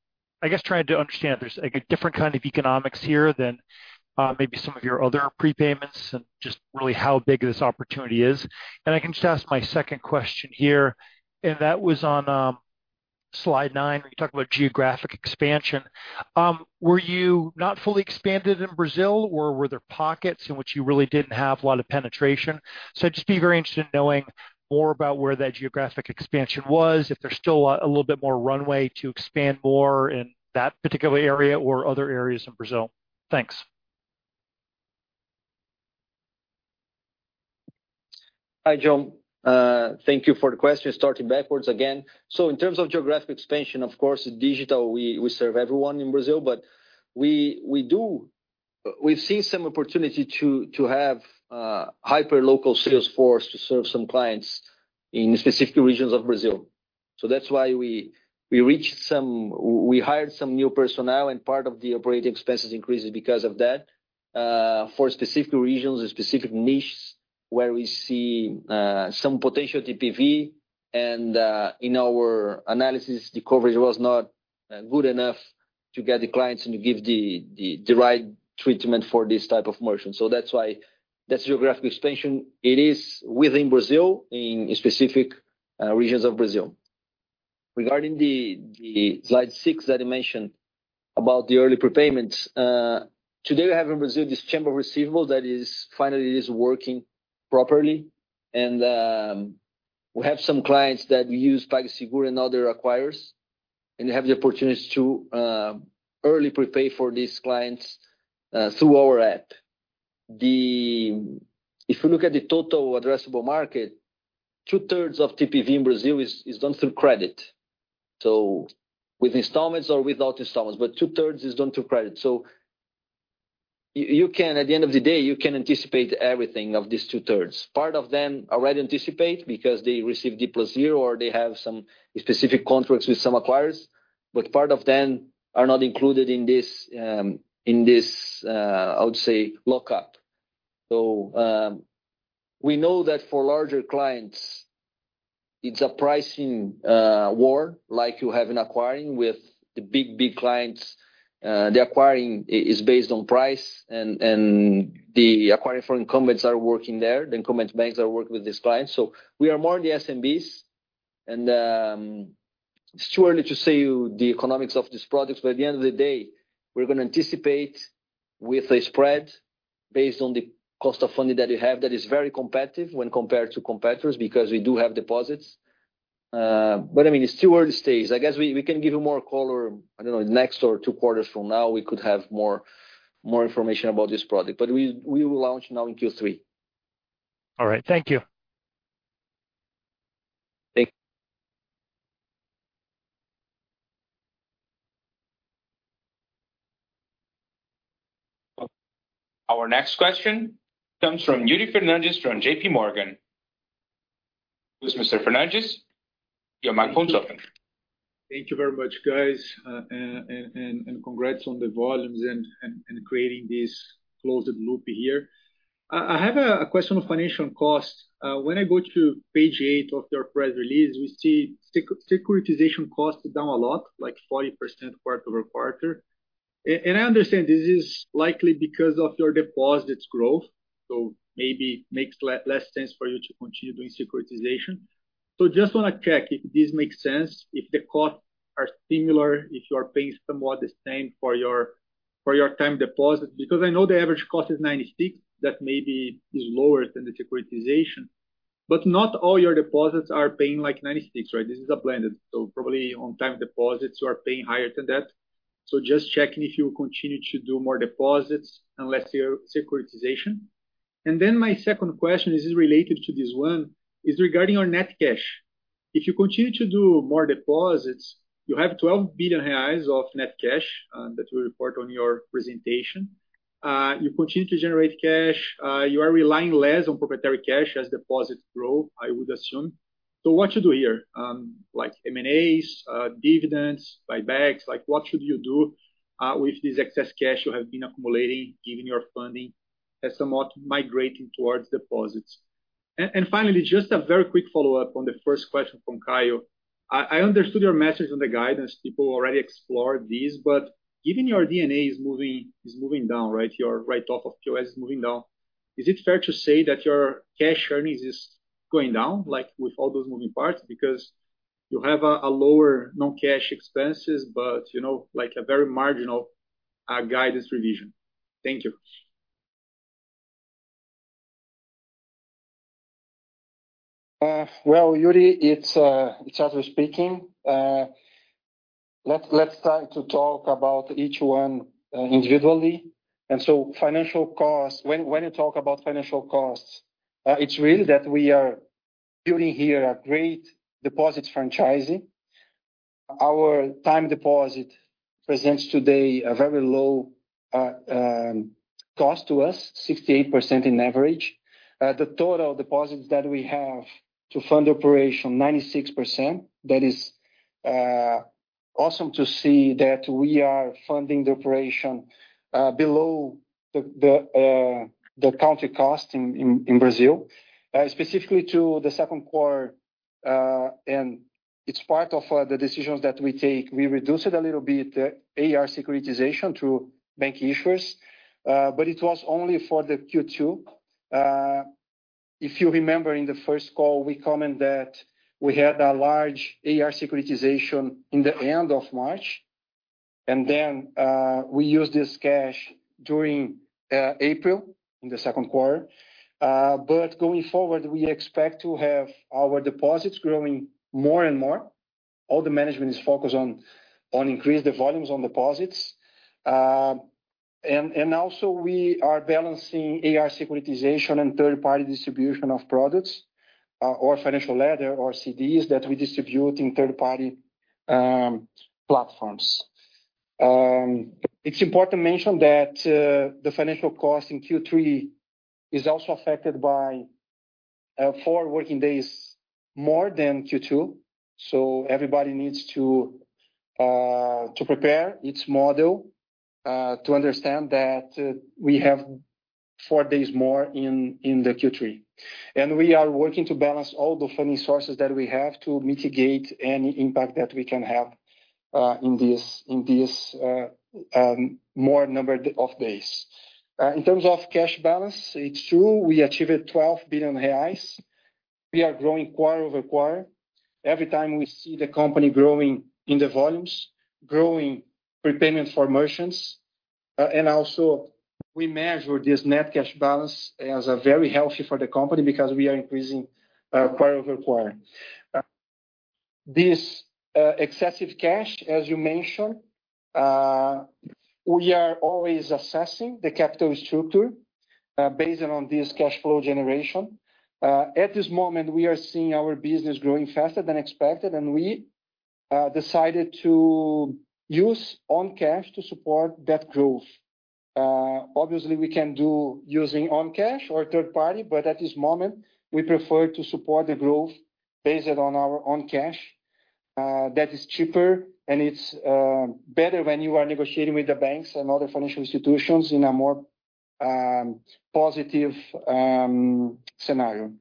I guess trying to understand if there's, like, a different kind of economics here than maybe some of your other prepayments and just really how big this opportunity is. And I can just ask my second question here, and that was on slide nine, when you talk about geographic expansion. Were you not fully expanded in Brazil, or were there pockets in which you really didn't have a lot of penetration? So I'd just be very interested in knowing more about where that geographic expansion was, if there's still a little bit more runway to expand more in that particular area or other areas in Brazil. Thanks. Hi, John. Thank you for the question. Starting backwards again. So in terms of geographic expansion, of course, digital, we serve everyone in Brazil, but we do. We've seen some opportunity to have hyper local sales force to serve some clients in specific regions of Brazil. So that's why we hired some new personnel, and part of the operating expenses increases because of that. For specific regions or specific niches where we see some potential TPV, and in our analysis, the coverage was not good enough to get the clients and give the right treatment for this type of merchant. So that's why that's geographic expansion. It is within Brazil, in specific regions of Brazil. Regarding the slide six that you mentioned about the early prepayments, today we have in Brazil this receivables chamber that is finally working properly. We have some clients that we use PagSeguro and other acquirers, and they have the opportunity to early prepay for these clients through our app. If you look at the total addressable market, two-thirds of TPV in Brazil is done through credit, so with installments or without installments, but two-thirds is done through credit. So you can, at the end of the day, you can anticipate everything of these two thirds. Part of them already anticipate because they receive D plus zero, or they have some specific contracts with some acquirers, but part of them are not included in this, I would say, lockup. So, we know that for larger clients, it's a pricing war like you have in acquiring with the big, big clients. The acquiring is based on price, and the acquiring for incumbents are working there, the incumbents banks are working with these clients. We are more in the SMBs, and it's too early to say the economics of these products, but at the end of the day, we're going to anticipate with a spread based on the cost of funding that we have that is very competitive when compared to competitors, because we do have deposits. But I mean, it's too early stage. I guess we can give you more color. I don't know, next quarter or two from now, we could have more information about this product, but we will launch now in Q3. All right. Thank you. Our next question comes from Yuri Fernandes from JP Morgan. Who's Mr. Fernandes? Your microphone is open. Thank you very much, guys. And congrats on the volumes and creating this closed loop here. I have a question on financial costs. When I go to page eight of your press release, we see securitization costs down a lot, like 40% quarter over quarter. And I understand this is likely because of your deposits growth, so maybe makes less sense for you to continue doing securitization. So just wanna check if this makes sense, if the costs are similar, if you are paying somewhat the same for your time deposit. Because I know the average cost is 96, that maybe is lower than the securitization, but not all your deposits are paying, like, 96, right? This is a blended, so probably on time deposits, you are paying higher than that. So just checking if you continue to do more deposits versus your securitization. And then my second question, this is related to this one, is regarding your net cash. If you continue to do more deposits, you have 12 billion reais of net cash that you report on your presentation. You continue to generate cash, you are relying less on proprietary cash as deposits grow, I would assume. So what you do here? Like M&As, dividends, buybacks, like what should you do with this excess cash you have been accumulating, given your funding has somewhat migrating towards deposits? And finally, just a very quick follow-up on the first question from Kaio. I understood your message on the guidance, people already explored this, but given your DNA is moving down, right? Your write-off of POs is moving down. Is it fair to say that your cash earnings is going down, like, with all those moving parts? Because you have a lower non-cash expenses, but, you know, like a very marginal guidance revision. Thank you. Well, Yuri, it's Arthur speaking. Let's start to talk about each one individually. And so financial costs, when you talk about financial costs, it's really that we are building here a great deposit franchise. Our time deposit presents today a very low cost to us, 68% in average. The total deposits that we have to fund operation, 96%. That is awesome to see that we are funding the operation below the CDI cost in Brazil. Specifically to the second quarter, and it's part of the decisions that we take. We reduced it a little bit, the AR securitization to bank issuers, but it was only for the Q2. If you remember in the first call, we comment that we had a large AR securitization in the end of March, and then, we used this cash during, April, in the second quarter. But going forward, we expect to have our deposits growing more and more. All the management is focused on increase the volumes on deposits. And also we are balancing AR securitization and third-party distribution of products, or Financial Letters or CDs that we distribute in third-party platforms. It's important to mention that, the financial cost in Q3 is also affected by, four working days, more than Q2. So everybody needs to prepare its model, to understand that, we have four days more in the Q3. We are working to balance all the funding sources that we have to mitigate any impact that we can have in this more number of days. In terms of cash balance, it's true, we achieved 12 billion reais. We are growing quarter over quarter. Every time we see the company growing in the volumes, growing prepayment for merchants, and also we measure this net cash balance as a very healthy for the company because we are increasing quarter over quarter. This excessive cash, as you mentioned, we are always assessing the capital structure based on this cash flow generation. At this moment, we are seeing our business growing faster than expected, and we decided to use own cash to support that growth. Obviously, we can do using own cash or third party, but at this moment, we prefer to support the growth based on our own cash. That is cheaper, and it's better when you are negotiating with the banks and other financial institutions in a more positive scenario.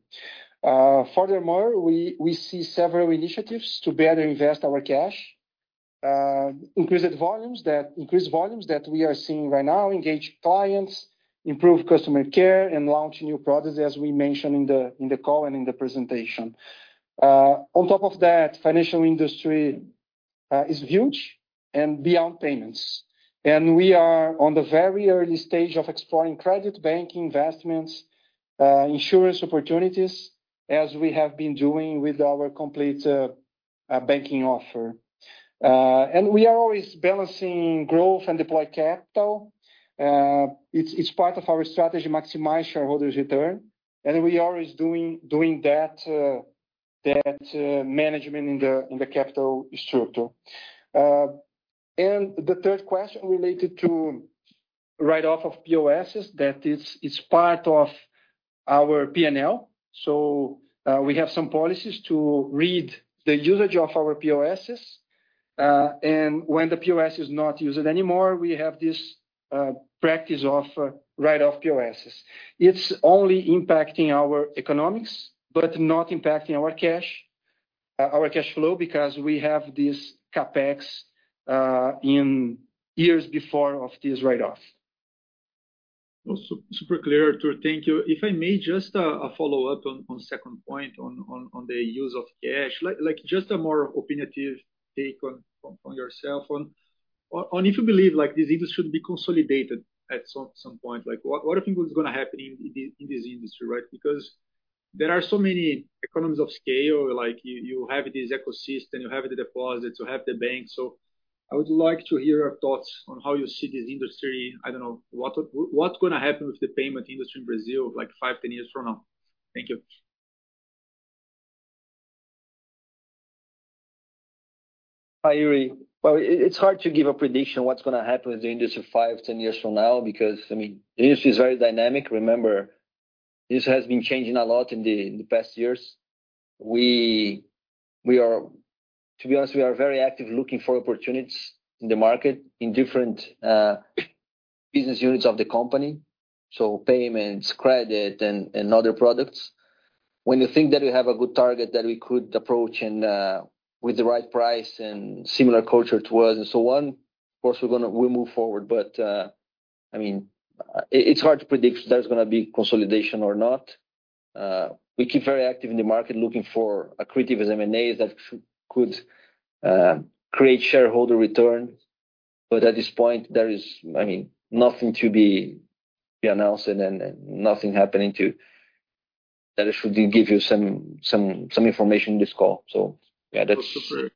Furthermore, we see several initiatives to better invest our cash, increased volumes that we are seeing right now, engage clients, improve customer care, and launch new products, as we mentioned in the call and in the presentation. On top of that, financial industry is huge and beyond payments, and we are on the very early stage of exploring credit, bank investments, insurance opportunities, as we have been doing with our complete banking offer. And we are always balancing growth and deploy capital. It's part of our strategy, maximize shareholders return, and we are always doing that management in the capital structure. And the third question related to write-off of POSs, that is, it's part of our P&L. So, we have some policies to rate the usage of our POSs, and when the POS is not used anymore, we have this practice of write-off POSs. It's only impacting our economics, but not impacting our cash, our cash flow, because we have this CapEx in years before of this write-off. Super clear, Arthur. Thank you. If I may just a follow-up on the second point on the use of cash. Like, just a more opinionative take from yourself on if you believe, like, this industry should be consolidated at some point. Like, what do you think is gonna happen in this industry, right? Because there are so many economies of scale, like you have this ecosystem, you have the deposits, you have the bank. So I would like to hear your thoughts on how you see this industry. I don't know, what's gonna happen with the payment industry in Brazil, like five, ten years from now? Thank you. Hi, Yuri. Well, it's hard to give a prediction what's gonna happen with the industry five, ten years from now, because, I mean, the industry is very dynamic. Remember, this has been changing a lot in the past years. To be honest, we are very active looking for opportunities in the market, in different business units of the company, so payments, credit, and other products. When you think that we have a good target that we could approach and with the right price and similar culture to us, and so on, of course, we'll move forward. But, I mean, it's hard to predict if there's gonna be consolidation or not. We keep very active in the market, looking for accretive M&As that could create shareholder return. But at this point, there is, I mean, nothing to be announced and then nothing happening to... That I should give you some information in this call. So yeah, that's- Super.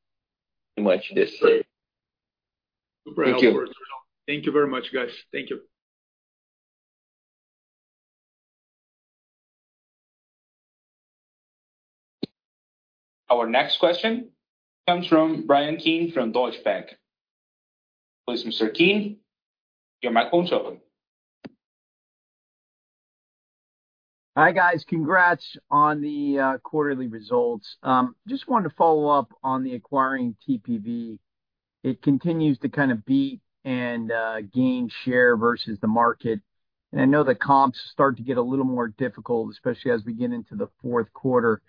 Pretty much this. Super helpful. Thank you. Thank you very much, guys. Thank you. Our next question comes from Brian Keane from Deutsche Bank. Please, Mr. Keane, your microphone is open. Hi, guys. Congrats on the quarterly results. Just wanted to follow up on the acquiring TPV. It continues to kind of beat and gain share versus the market. And I know the comps start to get a little more difficult, especially as we get into the fourth quarter.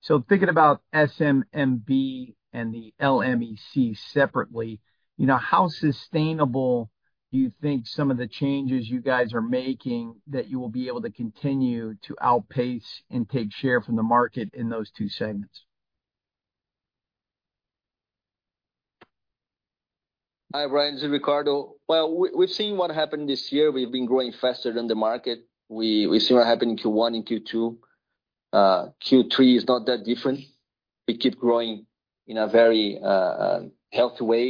So thinking about MSMB and the LMEC separately, you know, how sustainable do you think some of the changes you guys are making, that you will be able to continue to outpace and take share from the market in those two segments? Hi, Brian, this is Ricardo. We’ve seen what happened this year. We’ve been growing faster than the market. We’ve seen what happened in Q1 and Q2. Q3 is not that different. We keep growing in a very healthy way.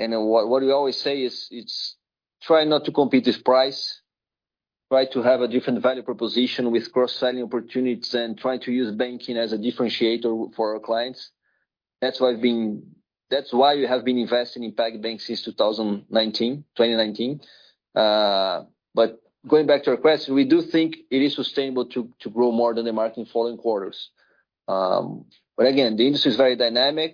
And what we always say is, it’s try not to compete with price, try to have a different value proposition with cross-selling opportunities, and try to use banking as a differentiator for our clients. That’s why we have been investing in PagBank since twenty nineteen. But going back to your question, we do think it is sustainable to grow more than the market in following quarters. But again, the industry is very dynamic,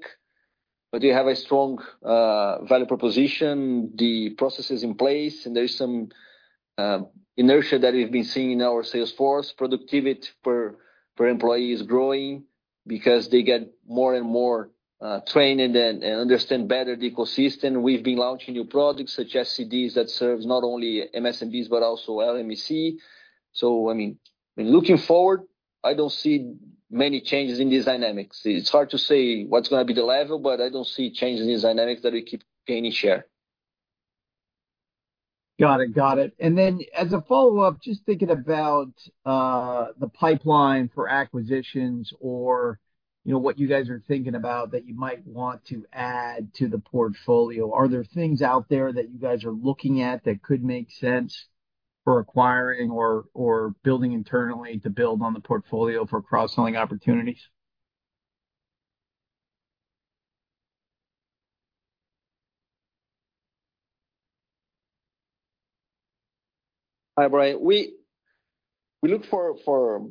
but we have a strong value proposition, the processes in place, and there is some inertia that we've been seeing in our sales force. Productivity per employee is growing because they get more and more trained and understand better the ecosystem. We've been launching new products such as CDs that serves not only MSMEs, but also LMEC. So, I mean, when looking forward, I don't see many changes in these dynamics. It's hard to say what's gonna be the level, but I don't see changes in the dynamics that we keep gaining share. Got it. Got it. And then, as a follow-up, just thinking about the pipeline for acquisitions or, you know, what you guys are thinking about that you might want to add to the portfolio. Are there things out there that you guys are looking at that could make sense for acquiring or building internally to build on the portfolio for cross-selling opportunities? Hi, Brian. We look for.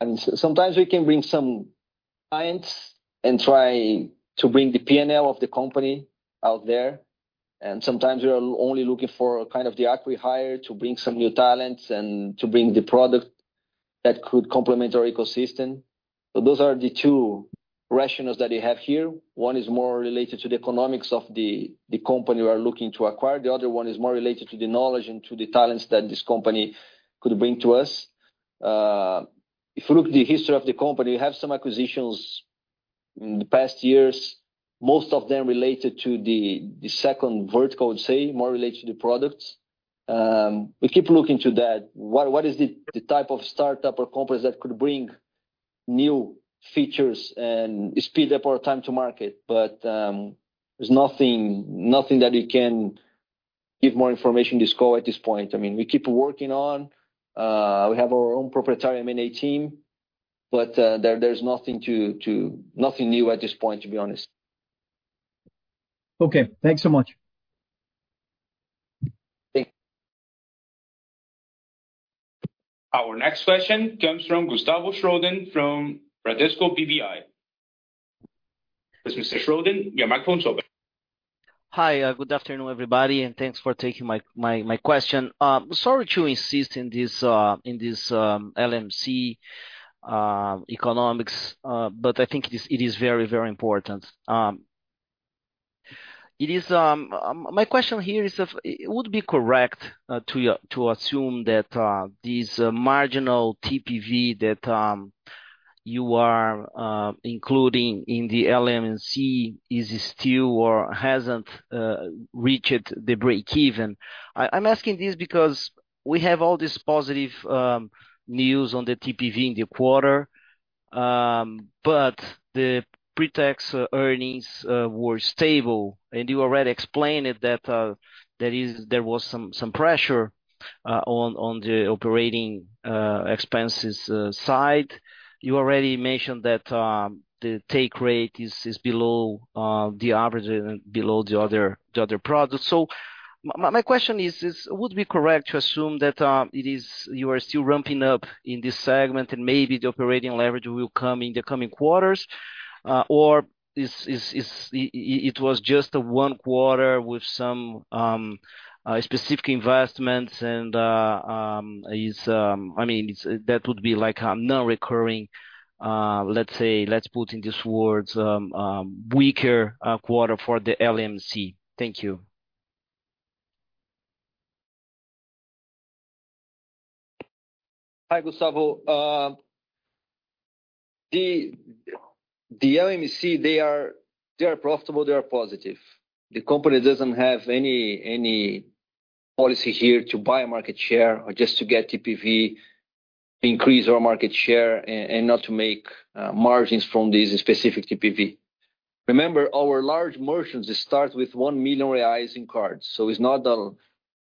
And sometimes we can bring some clients and try to bring the P&L of the company out there, and sometimes we are only looking for kind of the acqui-hire to bring some new talents and to bring the product that could complement our ecosystem. But those are the two rationales that we have here. One is more related to the economics of the company we are looking to acquire. The other one is more related to the knowledge and to the talents that this company could bring to us. If you look at the history of the company, we have some acquisitions in the past years, most of them related to the second vertical, I would say, more related to the products. We keep looking to that. What is the type of startup or companies that could bring-... New features and speed up our time to market. But there's nothing that we can give more information disclosure at this point. I mean, we keep working on, we have our own proprietary M&A team, but there's nothing to nothing new at this point, to be honest. Okay. Thanks so much. Thank you. Our next question comes from Gustavo Schroden from Bradesco BBI. Mr. Schroden, your microphone is open. Hi, good afternoon, everybody, and thanks for taking my question. Sorry to insist in this LMEC economics, but I think it is very important. My question here is if-- would it be correct to assume that this marginal TPV that you are including in the LMEC is still or hasn't reached the break even? I'm asking this because we have all this positive news on the TPV in the quarter, but the pre-tax earnings were stable, and you already explained it that there is-- there was some pressure on the operating expenses side. You already mentioned that the take rate is below the average and below the other products. So my question is, would it be correct to assume that you are still ramping up in this segment and maybe the operating leverage will come in the coming quarters? Or is it just a one quarter with some specific investments and I mean it's that would be like non-recurring, let's say, let's put in these words, weaker quarter for the LMEC. Thank you. Hi, Gustavo. The Large Accounts, they are profitable, they are positive. The company doesn't have any policy here to buy market share or just to get TPV, increase our market share and not to make margins from this specific TPV. Remember, our large merchants, they start with 1 million reais in cards, so it's not.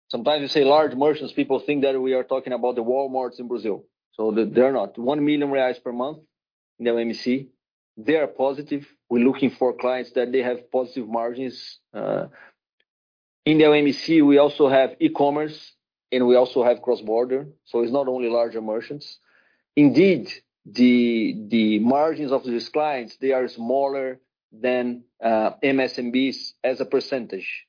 Sometimes you say large merchants, people think that we are talking about the Walmarts in Brazil. So they, they're not. 1 million reais per month in the Large Accounts, they are positive. We're looking for clients that they have positive margins. In the Large Accounts, we also have e-commerce, and we also have cross-border, so it's not only larger merchants. Indeed, the margins of these clients, they are smaller than MSMBs as a percentage.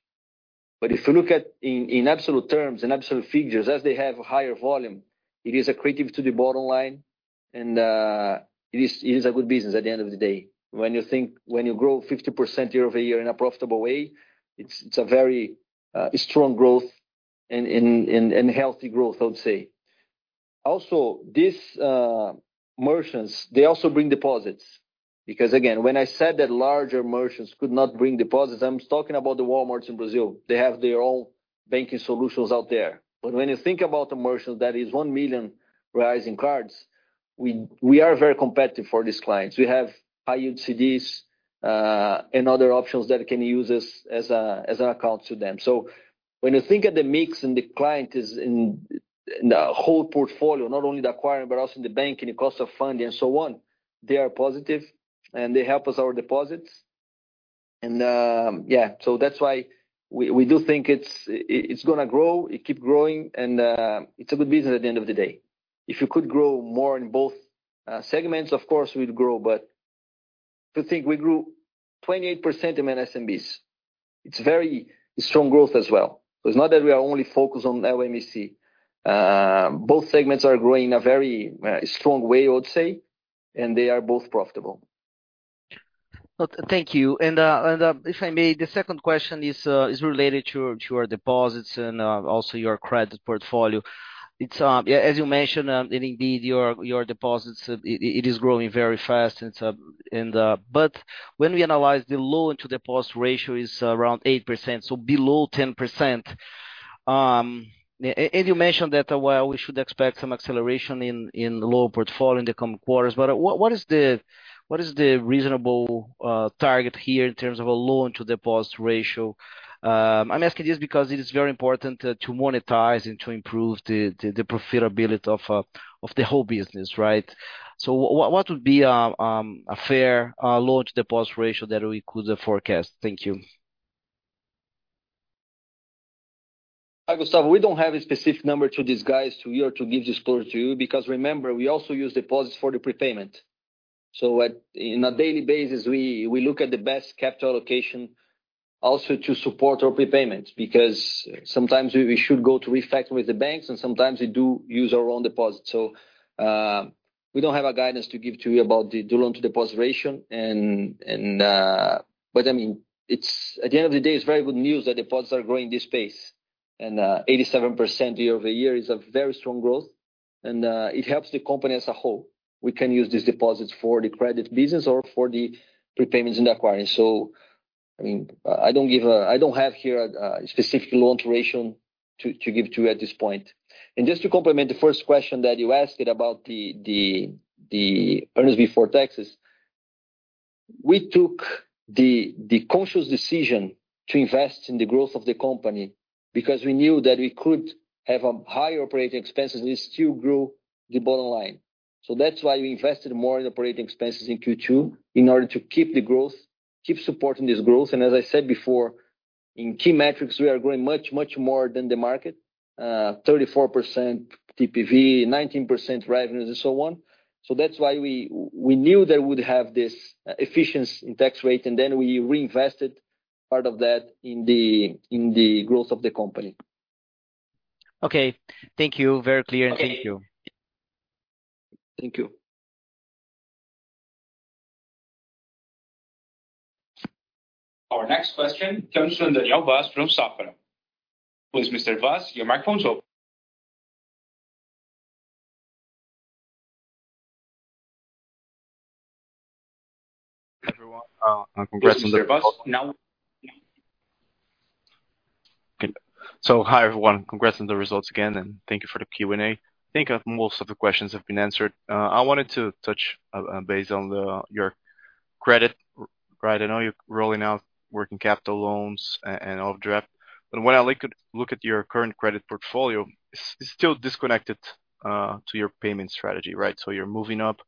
But if you look at in absolute terms, in absolute figures, as they have higher volume, it is accretive to the bottom line, and it is a good business at the end of the day. When you think, when you grow 50% year over year in a profitable way, it's a very strong growth and healthy growth, I would say. Also, these merchants, they also bring deposits, because again, when I said that larger merchants could not bring deposits, I'm talking about the Walmarts in Brazil. They have their own banking solutions out there. But when you think about the merchants that is 1 million in cards, we are very competitive for these clients. We have high-yield CDs and other options that can use this as an account to them. So when you think of the mix and the client is in, in the whole portfolio, not only the acquiring, but also in the bank and the cost of funding and so on, they are positive, and they help us our deposits. And yeah, so that's why we do think it's gonna grow, it keep growing, and it's a good business at the end of the day. If you could grow more in both segments, of course, we'd grow, but to think we grew 28% in MSMBs, it's very strong growth as well. It's not that we are only focused on LMEC. Both segments are growing in a very strong way, I would say, and they are both profitable. Thank you. And, if I may, the second question is related to your deposits and also your credit portfolio. It's, as you mentioned, and indeed, your deposits, it is growing very fast, and... But when we analyze the loan to deposit ratio is around 8%, so below 10%. And you mentioned that, well, we should expect some acceleration in the loan portfolio in the coming quarters. But what is the reasonable target here in terms of a loan to deposit ratio? I'm asking this because it is very important to monetize and to improve the profitability of the whole business, right? What would be a fair loan to deposit ratio that we could forecast? Thank you. Hi, Gustavo. We don't have a specific number to disclose to you or to give disclosure to you, because remember, we also use deposits for the prepayment. On a daily basis, we look at the best capital allocation also to support our prepayments, because sometimes we should go to refinance with the banks, and sometimes we do use our own deposits. We don't have a guidance to give to you about the loan to deposit ratio. But I mean, it's at the end of the day, it's very good news that deposits are growing this pace, and 87% year over year is a very strong growth, and it helps the company as a whole. We can use these deposits for the credit business or for the prepayments and acquiring. I mean, I don't give a-- I don't have here a specific loan duration to give to you at this point. And just to complement the first question that you asked about the earnings before taxes, we took the conscious decision to invest in the growth of the company, because we knew that we could have higher operating expenses and still grow the bottom line. So that's why we invested more in operating expenses in Q2, in order to keep the growth, keep supporting this growth. And as I said before, in key metrics, we are growing much, much more than the market, 34% TPV, 19% revenues, and so on. So that's why we knew that we'd have this efficiency in tax rate, and then we reinvested part of that in the growth of the company. Okay. Thank you. Very clear. Okay. Thank you. Thank you. Our next question comes from Daniel Vaz from Safra. Please, Mr. Vaz, your microphone is open. Everyone, congratulations. Mr. Vaz, now. Good. So hi, everyone. Congrats on the results again, and thank you for the Q&A. I think, most of the questions have been answered. I wanted to touch based on your credit, right? I know you're rolling out working capital loans and overdraft, but when I look at your current credit portfolio, it's still disconnected to your payment strategy, right? So you're moving up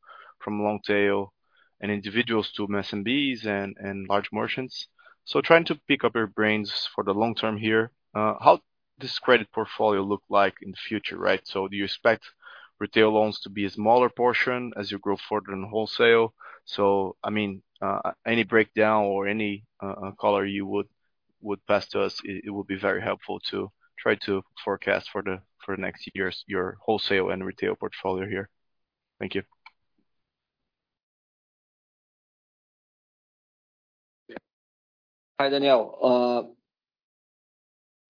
from long tail and individuals to MSMEs and large merchants. So trying to pick up your brains for the long term here, how this credit portfolio look like in the future, right? So do you expect retail loans to be a smaller portion as you grow further in wholesale? So, I mean, any breakdown or any color you would pass to us, it would be very helpful to try to forecast for the next years, your wholesale and retail portfolio here. Thank you. Hi, Daniel.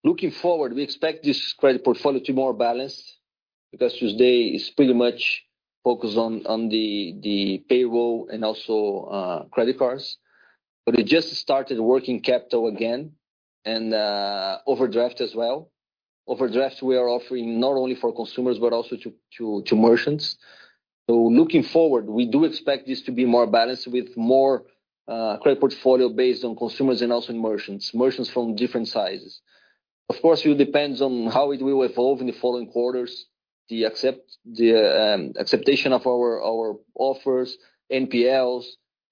Looking forward, we expect this credit portfolio to be more balanced, because today it's pretty much focused on the payroll and also credit cards. But we just started working capital again and overdraft as well. Overdraft, we are offering not only for consumers, but also to merchants. So looking forward, we do expect this to be more balanced with more credit portfolio based on consumers and also in merchants. Merchants from different sizes. Of course, it will depends on how it will evolve in the following quarters, the acceptance of our offers, NPLs,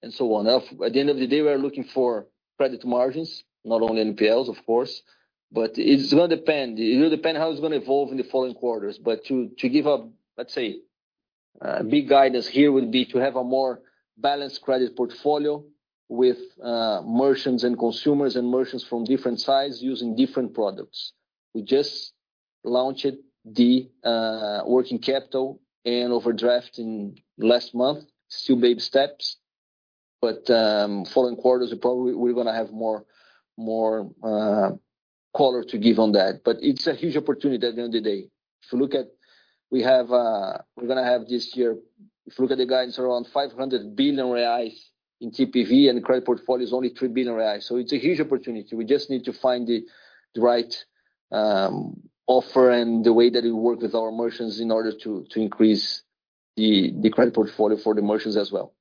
and so on. At the end of the day, we are looking for credit margins, not only NPLs, of course, but it's gonna depend. It will depend how it's gonna evolve in the following quarters. But to give a, let's say, big guidance here would be to have a more balanced credit portfolio with merchants and consumers, and merchants from different size, using different products. We just launched the working capital and overdrafting last month. Still baby steps, but following quarters are probably, we're gonna have more color to give on that. But it's a huge opportunity at the end of the day. If you look at, we have, we're gonna have this year, if you look at the guidance, around 500 billion reais in TPV, and the credit portfolio is only 3 billion reais. So it's a huge opportunity. We just need to find the right offer and the way that it work with our merchants in order to increase the credit portfolio for the merchants as well.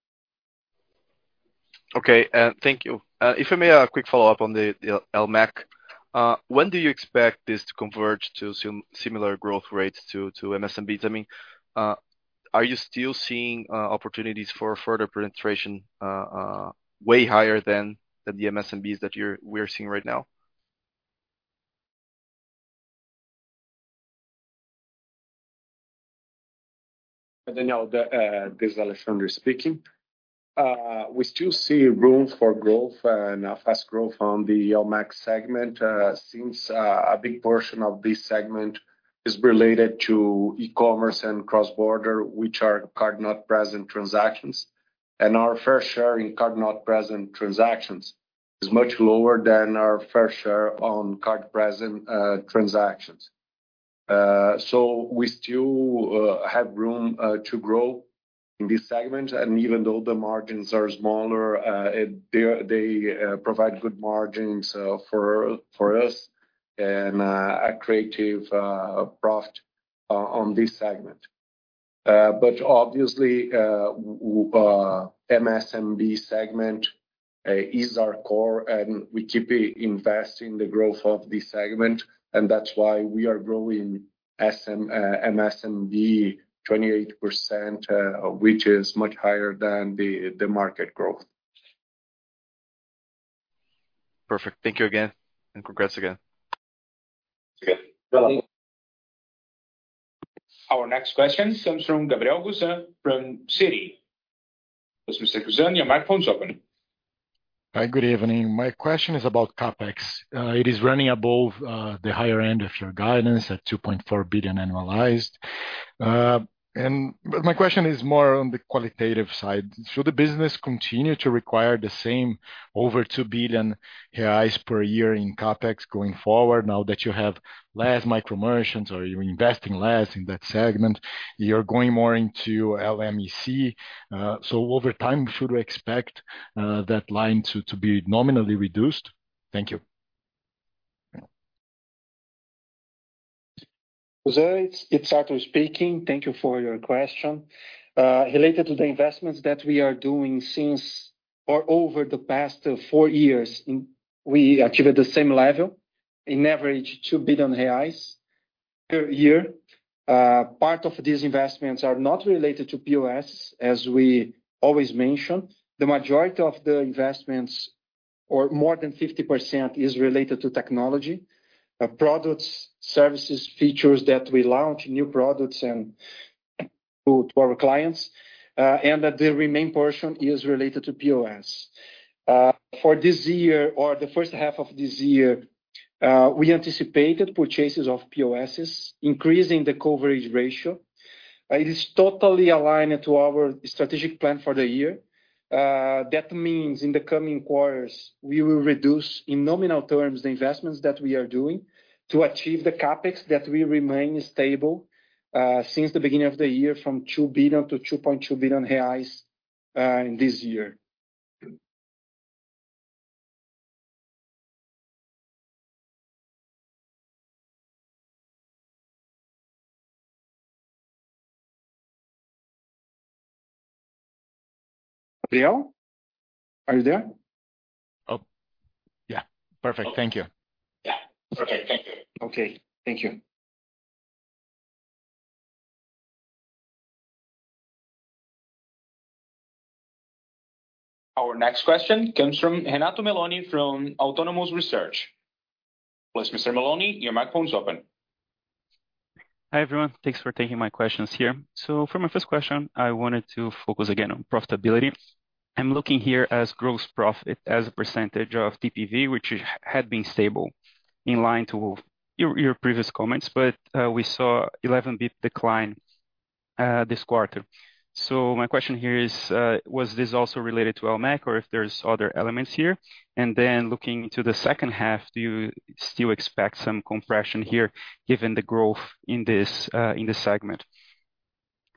Okay, thank you. If I may, a quick follow-up on the LMEC. When do you expect this to converge to similar growth rates to MSMBs? I mean, are you still seeing opportunities for further penetration way higher than the MSMBs that we're seeing right now? Daniel, this is Alexandre speaking. We still see room for growth and a fast growth on the LMEC segment, since a big portion of this segment is related to e-commerce and cross-border, which are card-not-present transactions. And our fair share in card-not-present transactions is much lower than our fair share on card-present transactions. So we still have room to grow in this segment, and even though the margins are smaller, they're, they provide good margins for us, and a creative profit on this segment. But obviously, MSMB segment is our core, and we keep investing the growth of this segment, and that's why we are growing MSMB 28%, which is much higher than the market growth. Perfect. Thank you again, and congrats again. Okay. Our next question comes from Gabriel Gusan from Citi. Please, Mr. Gusan, your microphone is open. Hi, good evening. My question is about CapEx. It is running above the higher end of your guidance at 2.4 billion annualized. But my question is more on the qualitative side. Should the business continue to require the same over 2 billion reais per year in CapEx going forward, now that you have less micro merchants or you're investing less in that segment? You're going more into LMEC, so over time, should we expect that line to be nominally reduced? Thank you. Gusan, it's Arthur speaking. Thank you for your question. Related to the investments that we are doing since or over the past four years, we achieved the same level, in average, 2 billion reais per year. Part of these investments are not related to POS, as we always mention. The majority of the investments or more than 50% is related to technology, products, services, features that we launch, new products and to our clients, and that the remaining portion is related to POS. For this year or the first half of this year, we anticipated purchases of POSs, increasing the coverage ratio. It is totally aligned to our strategic plan for the year. That means in the coming quarters, we will reduce, in nominal terms, the investments that we are doing to achieve the CapEx that will remain stable, since the beginning of the year from 2 billion to 2.2 billion reais in this year. Leo, are you there? Oh, yeah. Perfect. Thank you. Yeah. Okay, thank you. Okay, thank you. Our next question comes from Renato Meloni from Autonomous Research. Mr. Meloni, your microphone is open. Hi, everyone. Thanks for taking my questions here. So for my first question, I wanted to focus again on profitability. I'm looking here as gross profit, as a percentage of TPV, which had been stable in line to your previous comments, but we saw 11 basis point decline this quarter. So my question here is, was this also related to LMEC or if there's other elements here? And then looking to the second half, do you still expect some compression here, given the growth in this segment?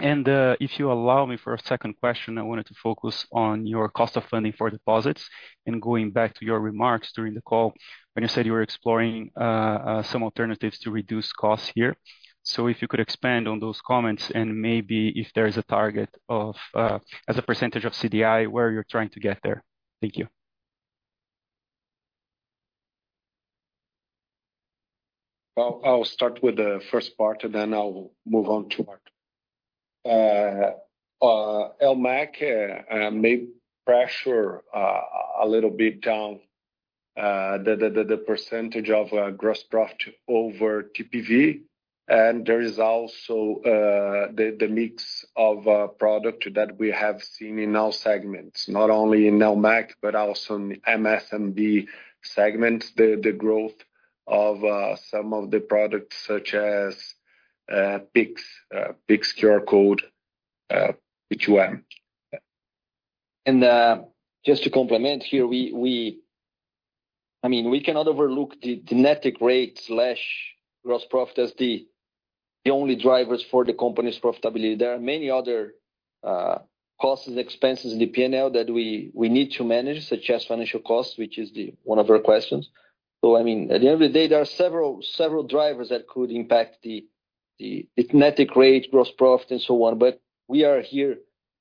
And if you allow me for a second question, I wanted to focus on your cost of funding for deposits, and going back to your remarks during the call, when you said you were exploring some alternatives to reduce costs here. If you could expand on those comments, and maybe if there is a target of, as a percentage of CDI, where you're trying to get there. Thank you. I'll start with the first part, and then I'll move on to Arthur. LMEC may pressure a little bit down the percentage of gross profit over TPV, and there is also the mix of product that we have seen in all segments, not only in LMEC, but also in MSMB segments, the growth of some of the products such as Pix, Pix QR code, P2M. Just to complement here, I mean, we cannot overlook the net take rate/gross profit as the only drivers for the company's profitability. There are many other costs and expenses in the P&L that we need to manage, such as financial costs, which is one of your questions. So I mean, at the end of the day, there are several drivers that could impact the net take rate, gross profit, and so on. But we are here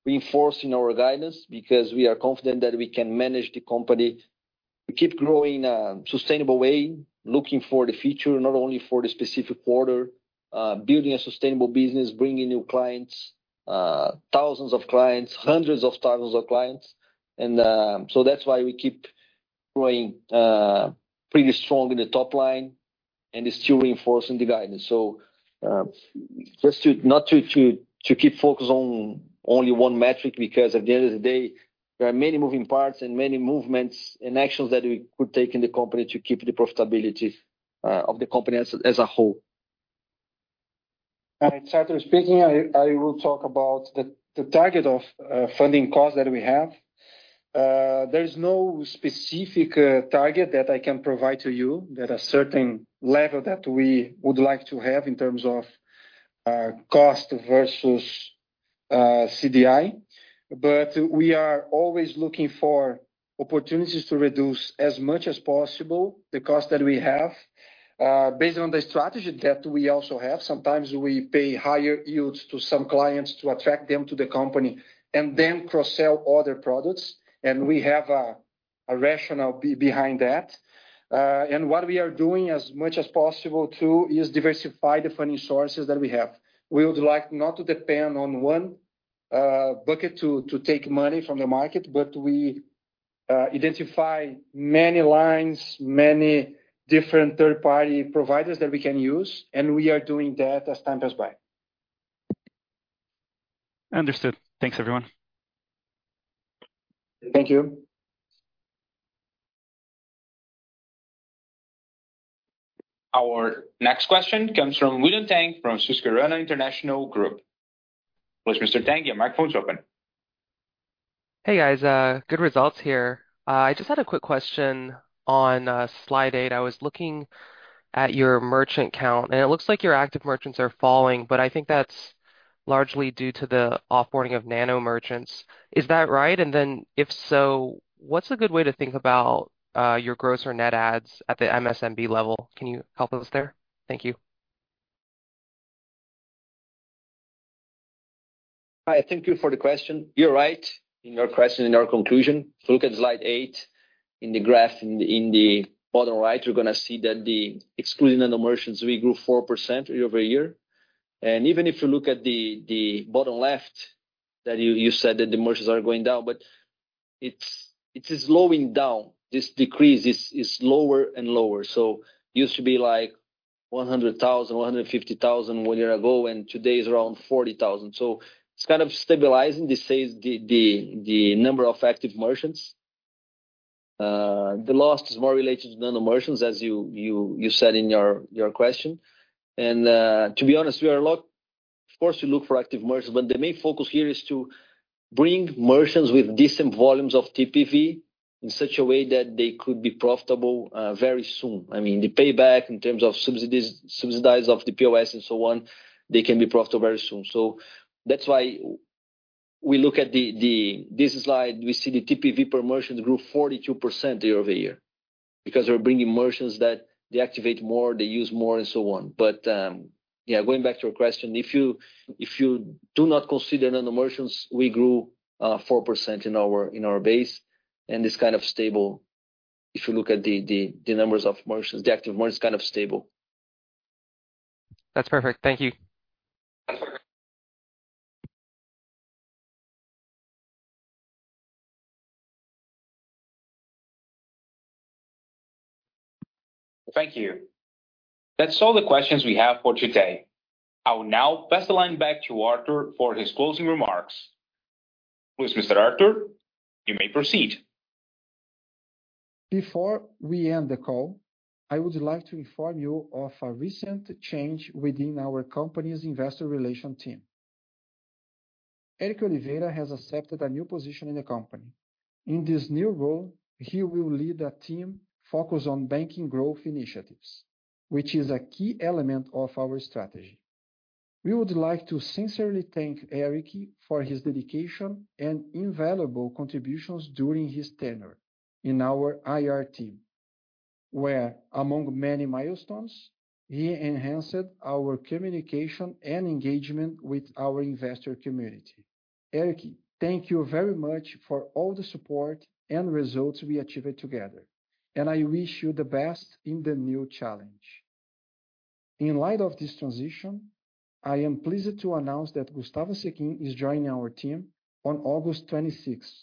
reinforcing our guidance because we are confident that we can manage the company to keep growing sustainable way, looking for the future, not only for the specific quarter, building a sustainable business, bringing new clients, thousands of clients, hundreds of thousands of clients. That's why we keep growing pretty strong in the top line and is still reinforcing the guidance. Just not to keep focused on only one metric, because at the end of the day, there are many moving parts and many movements and actions that we could take in the company to keep the profitability of the company as a whole. All right, Arthur speaking. I, I will talk about the target of funding costs that we have. There is no specific target that I can provide to you, that a certain level that we would like to have in terms of cost versus CDI. But we are always looking for opportunities to reduce as much as possible the cost that we have. Based on the strategy that we also have, sometimes we pay higher yields to some clients to attract them to the company and then cross-sell other products, and we have a rationale behind that. And what we are doing as much as possible, too, is diversify the funding sources that we have. We would like not to depend on one bucket to take money from the market, but we identify many lines, many different third-party providers that we can use, and we are doing that as time goes by. Understood. Thanks, everyone. Thank you. Our next question comes from William Tang from Susquehanna International Group. Mr. Tang, your microphone is open. Hey, guys, good results here. I just had a quick question on slide eight. I was looking at your merchant count, and it looks like your active merchants are falling, but I think that's- Largely due to the off-boarding of nano merchants. Is that right? And then, if so, what's a good way to think about, your gross or net adds at the MSMB level? Can you help us there? Thank you. Hi, thank you for the question. You're right in your question, in your conclusion. If you look at slide eight, in the graph, in the bottom right, you're gonna see that excluding nano merchants, we grew 4% year over year. And even if you look at the bottom left, that you said that the merchants are going down, but it's slowing down. This decrease is lower and lower. So used to be like 100,000, 150,000 one year ago, and today is around 40,000. So it's kind of stabilizing, this says the number of active merchants. The last is more related to nano merchants, as you said in your question. To be honest, we are a lot. Of course, we look for active merchants, but the main focus here is to bring merchants with decent volumes of TPV in such a way that they could be profitable very soon. I mean, the payback in terms of subsidies, subsidize of the POS and so on, they can be profitable very soon. That's why we look at the. This slide, we see the TPV per merchant grew 42% year over year. Because we're bringing merchants that they activate more, they use more and so on. But yeah, going back to your question, if you do not consider nano merchants, we grew 4% in our base, and it's kind of stable. If you look at the numbers of merchants, the active merchants, kind of stable. That's perfect. Thank you. Thank you. That's all the questions we have for today. I will now pass the line back to Arthur for his closing remarks. Please, Mr. Arthur, you may proceed. Before we end the call, I would like to inform you of a recent change within our company's Investor Relations team. Erick Oliveira has accepted a new position in the company. In this new role, he will lead a team focused on banking growth initiatives, which is a key element of our strategy. We would like to sincerely thank Erick for his dedication and invaluable contributions during his tenure in our IR team, where, among many milestones, he enhanced our communication and engagement with our investor community. Erick, thank you very much for all the support and results we achieved together, and I wish you the best in the new challenge. In light of this transition, I am pleased to announce that Gustavo Sechin is joining our team on August twenty-sixth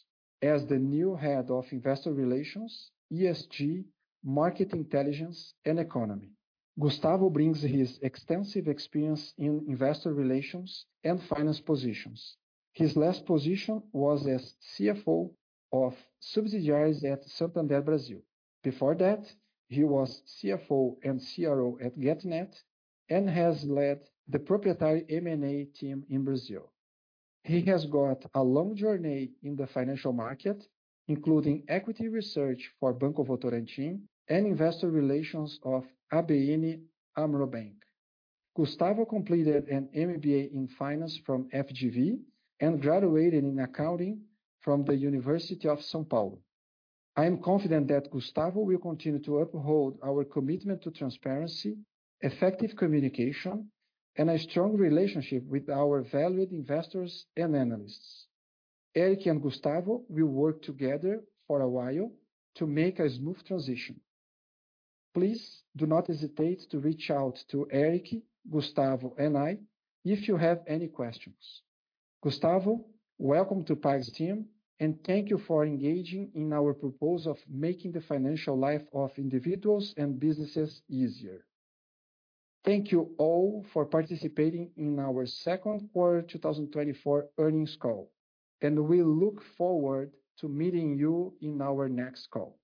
as the new head of Investor Relations, ESG, Market Intelligence, and Economy. Gustavo brings his extensive experience in investor relations and finance positions. His last position was as CFO of subsidiaries at Santander Brasil. Before that, he was CFO and CRO at Getnet and has led the proprietary M&A team in Brazil. He has got a long journey in the financial market, including equity research for Banco Votorantim and investor relations of ABN AMRO Bank. Gustavo completed an MBA in finance from FGV and graduated in accounting from the University of São Paulo. I am confident that Gustavo will continue to uphold our commitment to transparency, effective communication, and a strong relationship with our valued investors and analysts. Erick and Gustavo will work together for a while to make a smooth transition. Please do not hesitate to reach out to Erick, Gustavo, and I if you have any questions. Gustavo, welcome to Pag's team, and thank you for engaging in our purpose of making the financial life of individuals and businesses easier. Thank you all for participating in our second quarter 2024 earnings call, and we look forward to meeting you in our next call.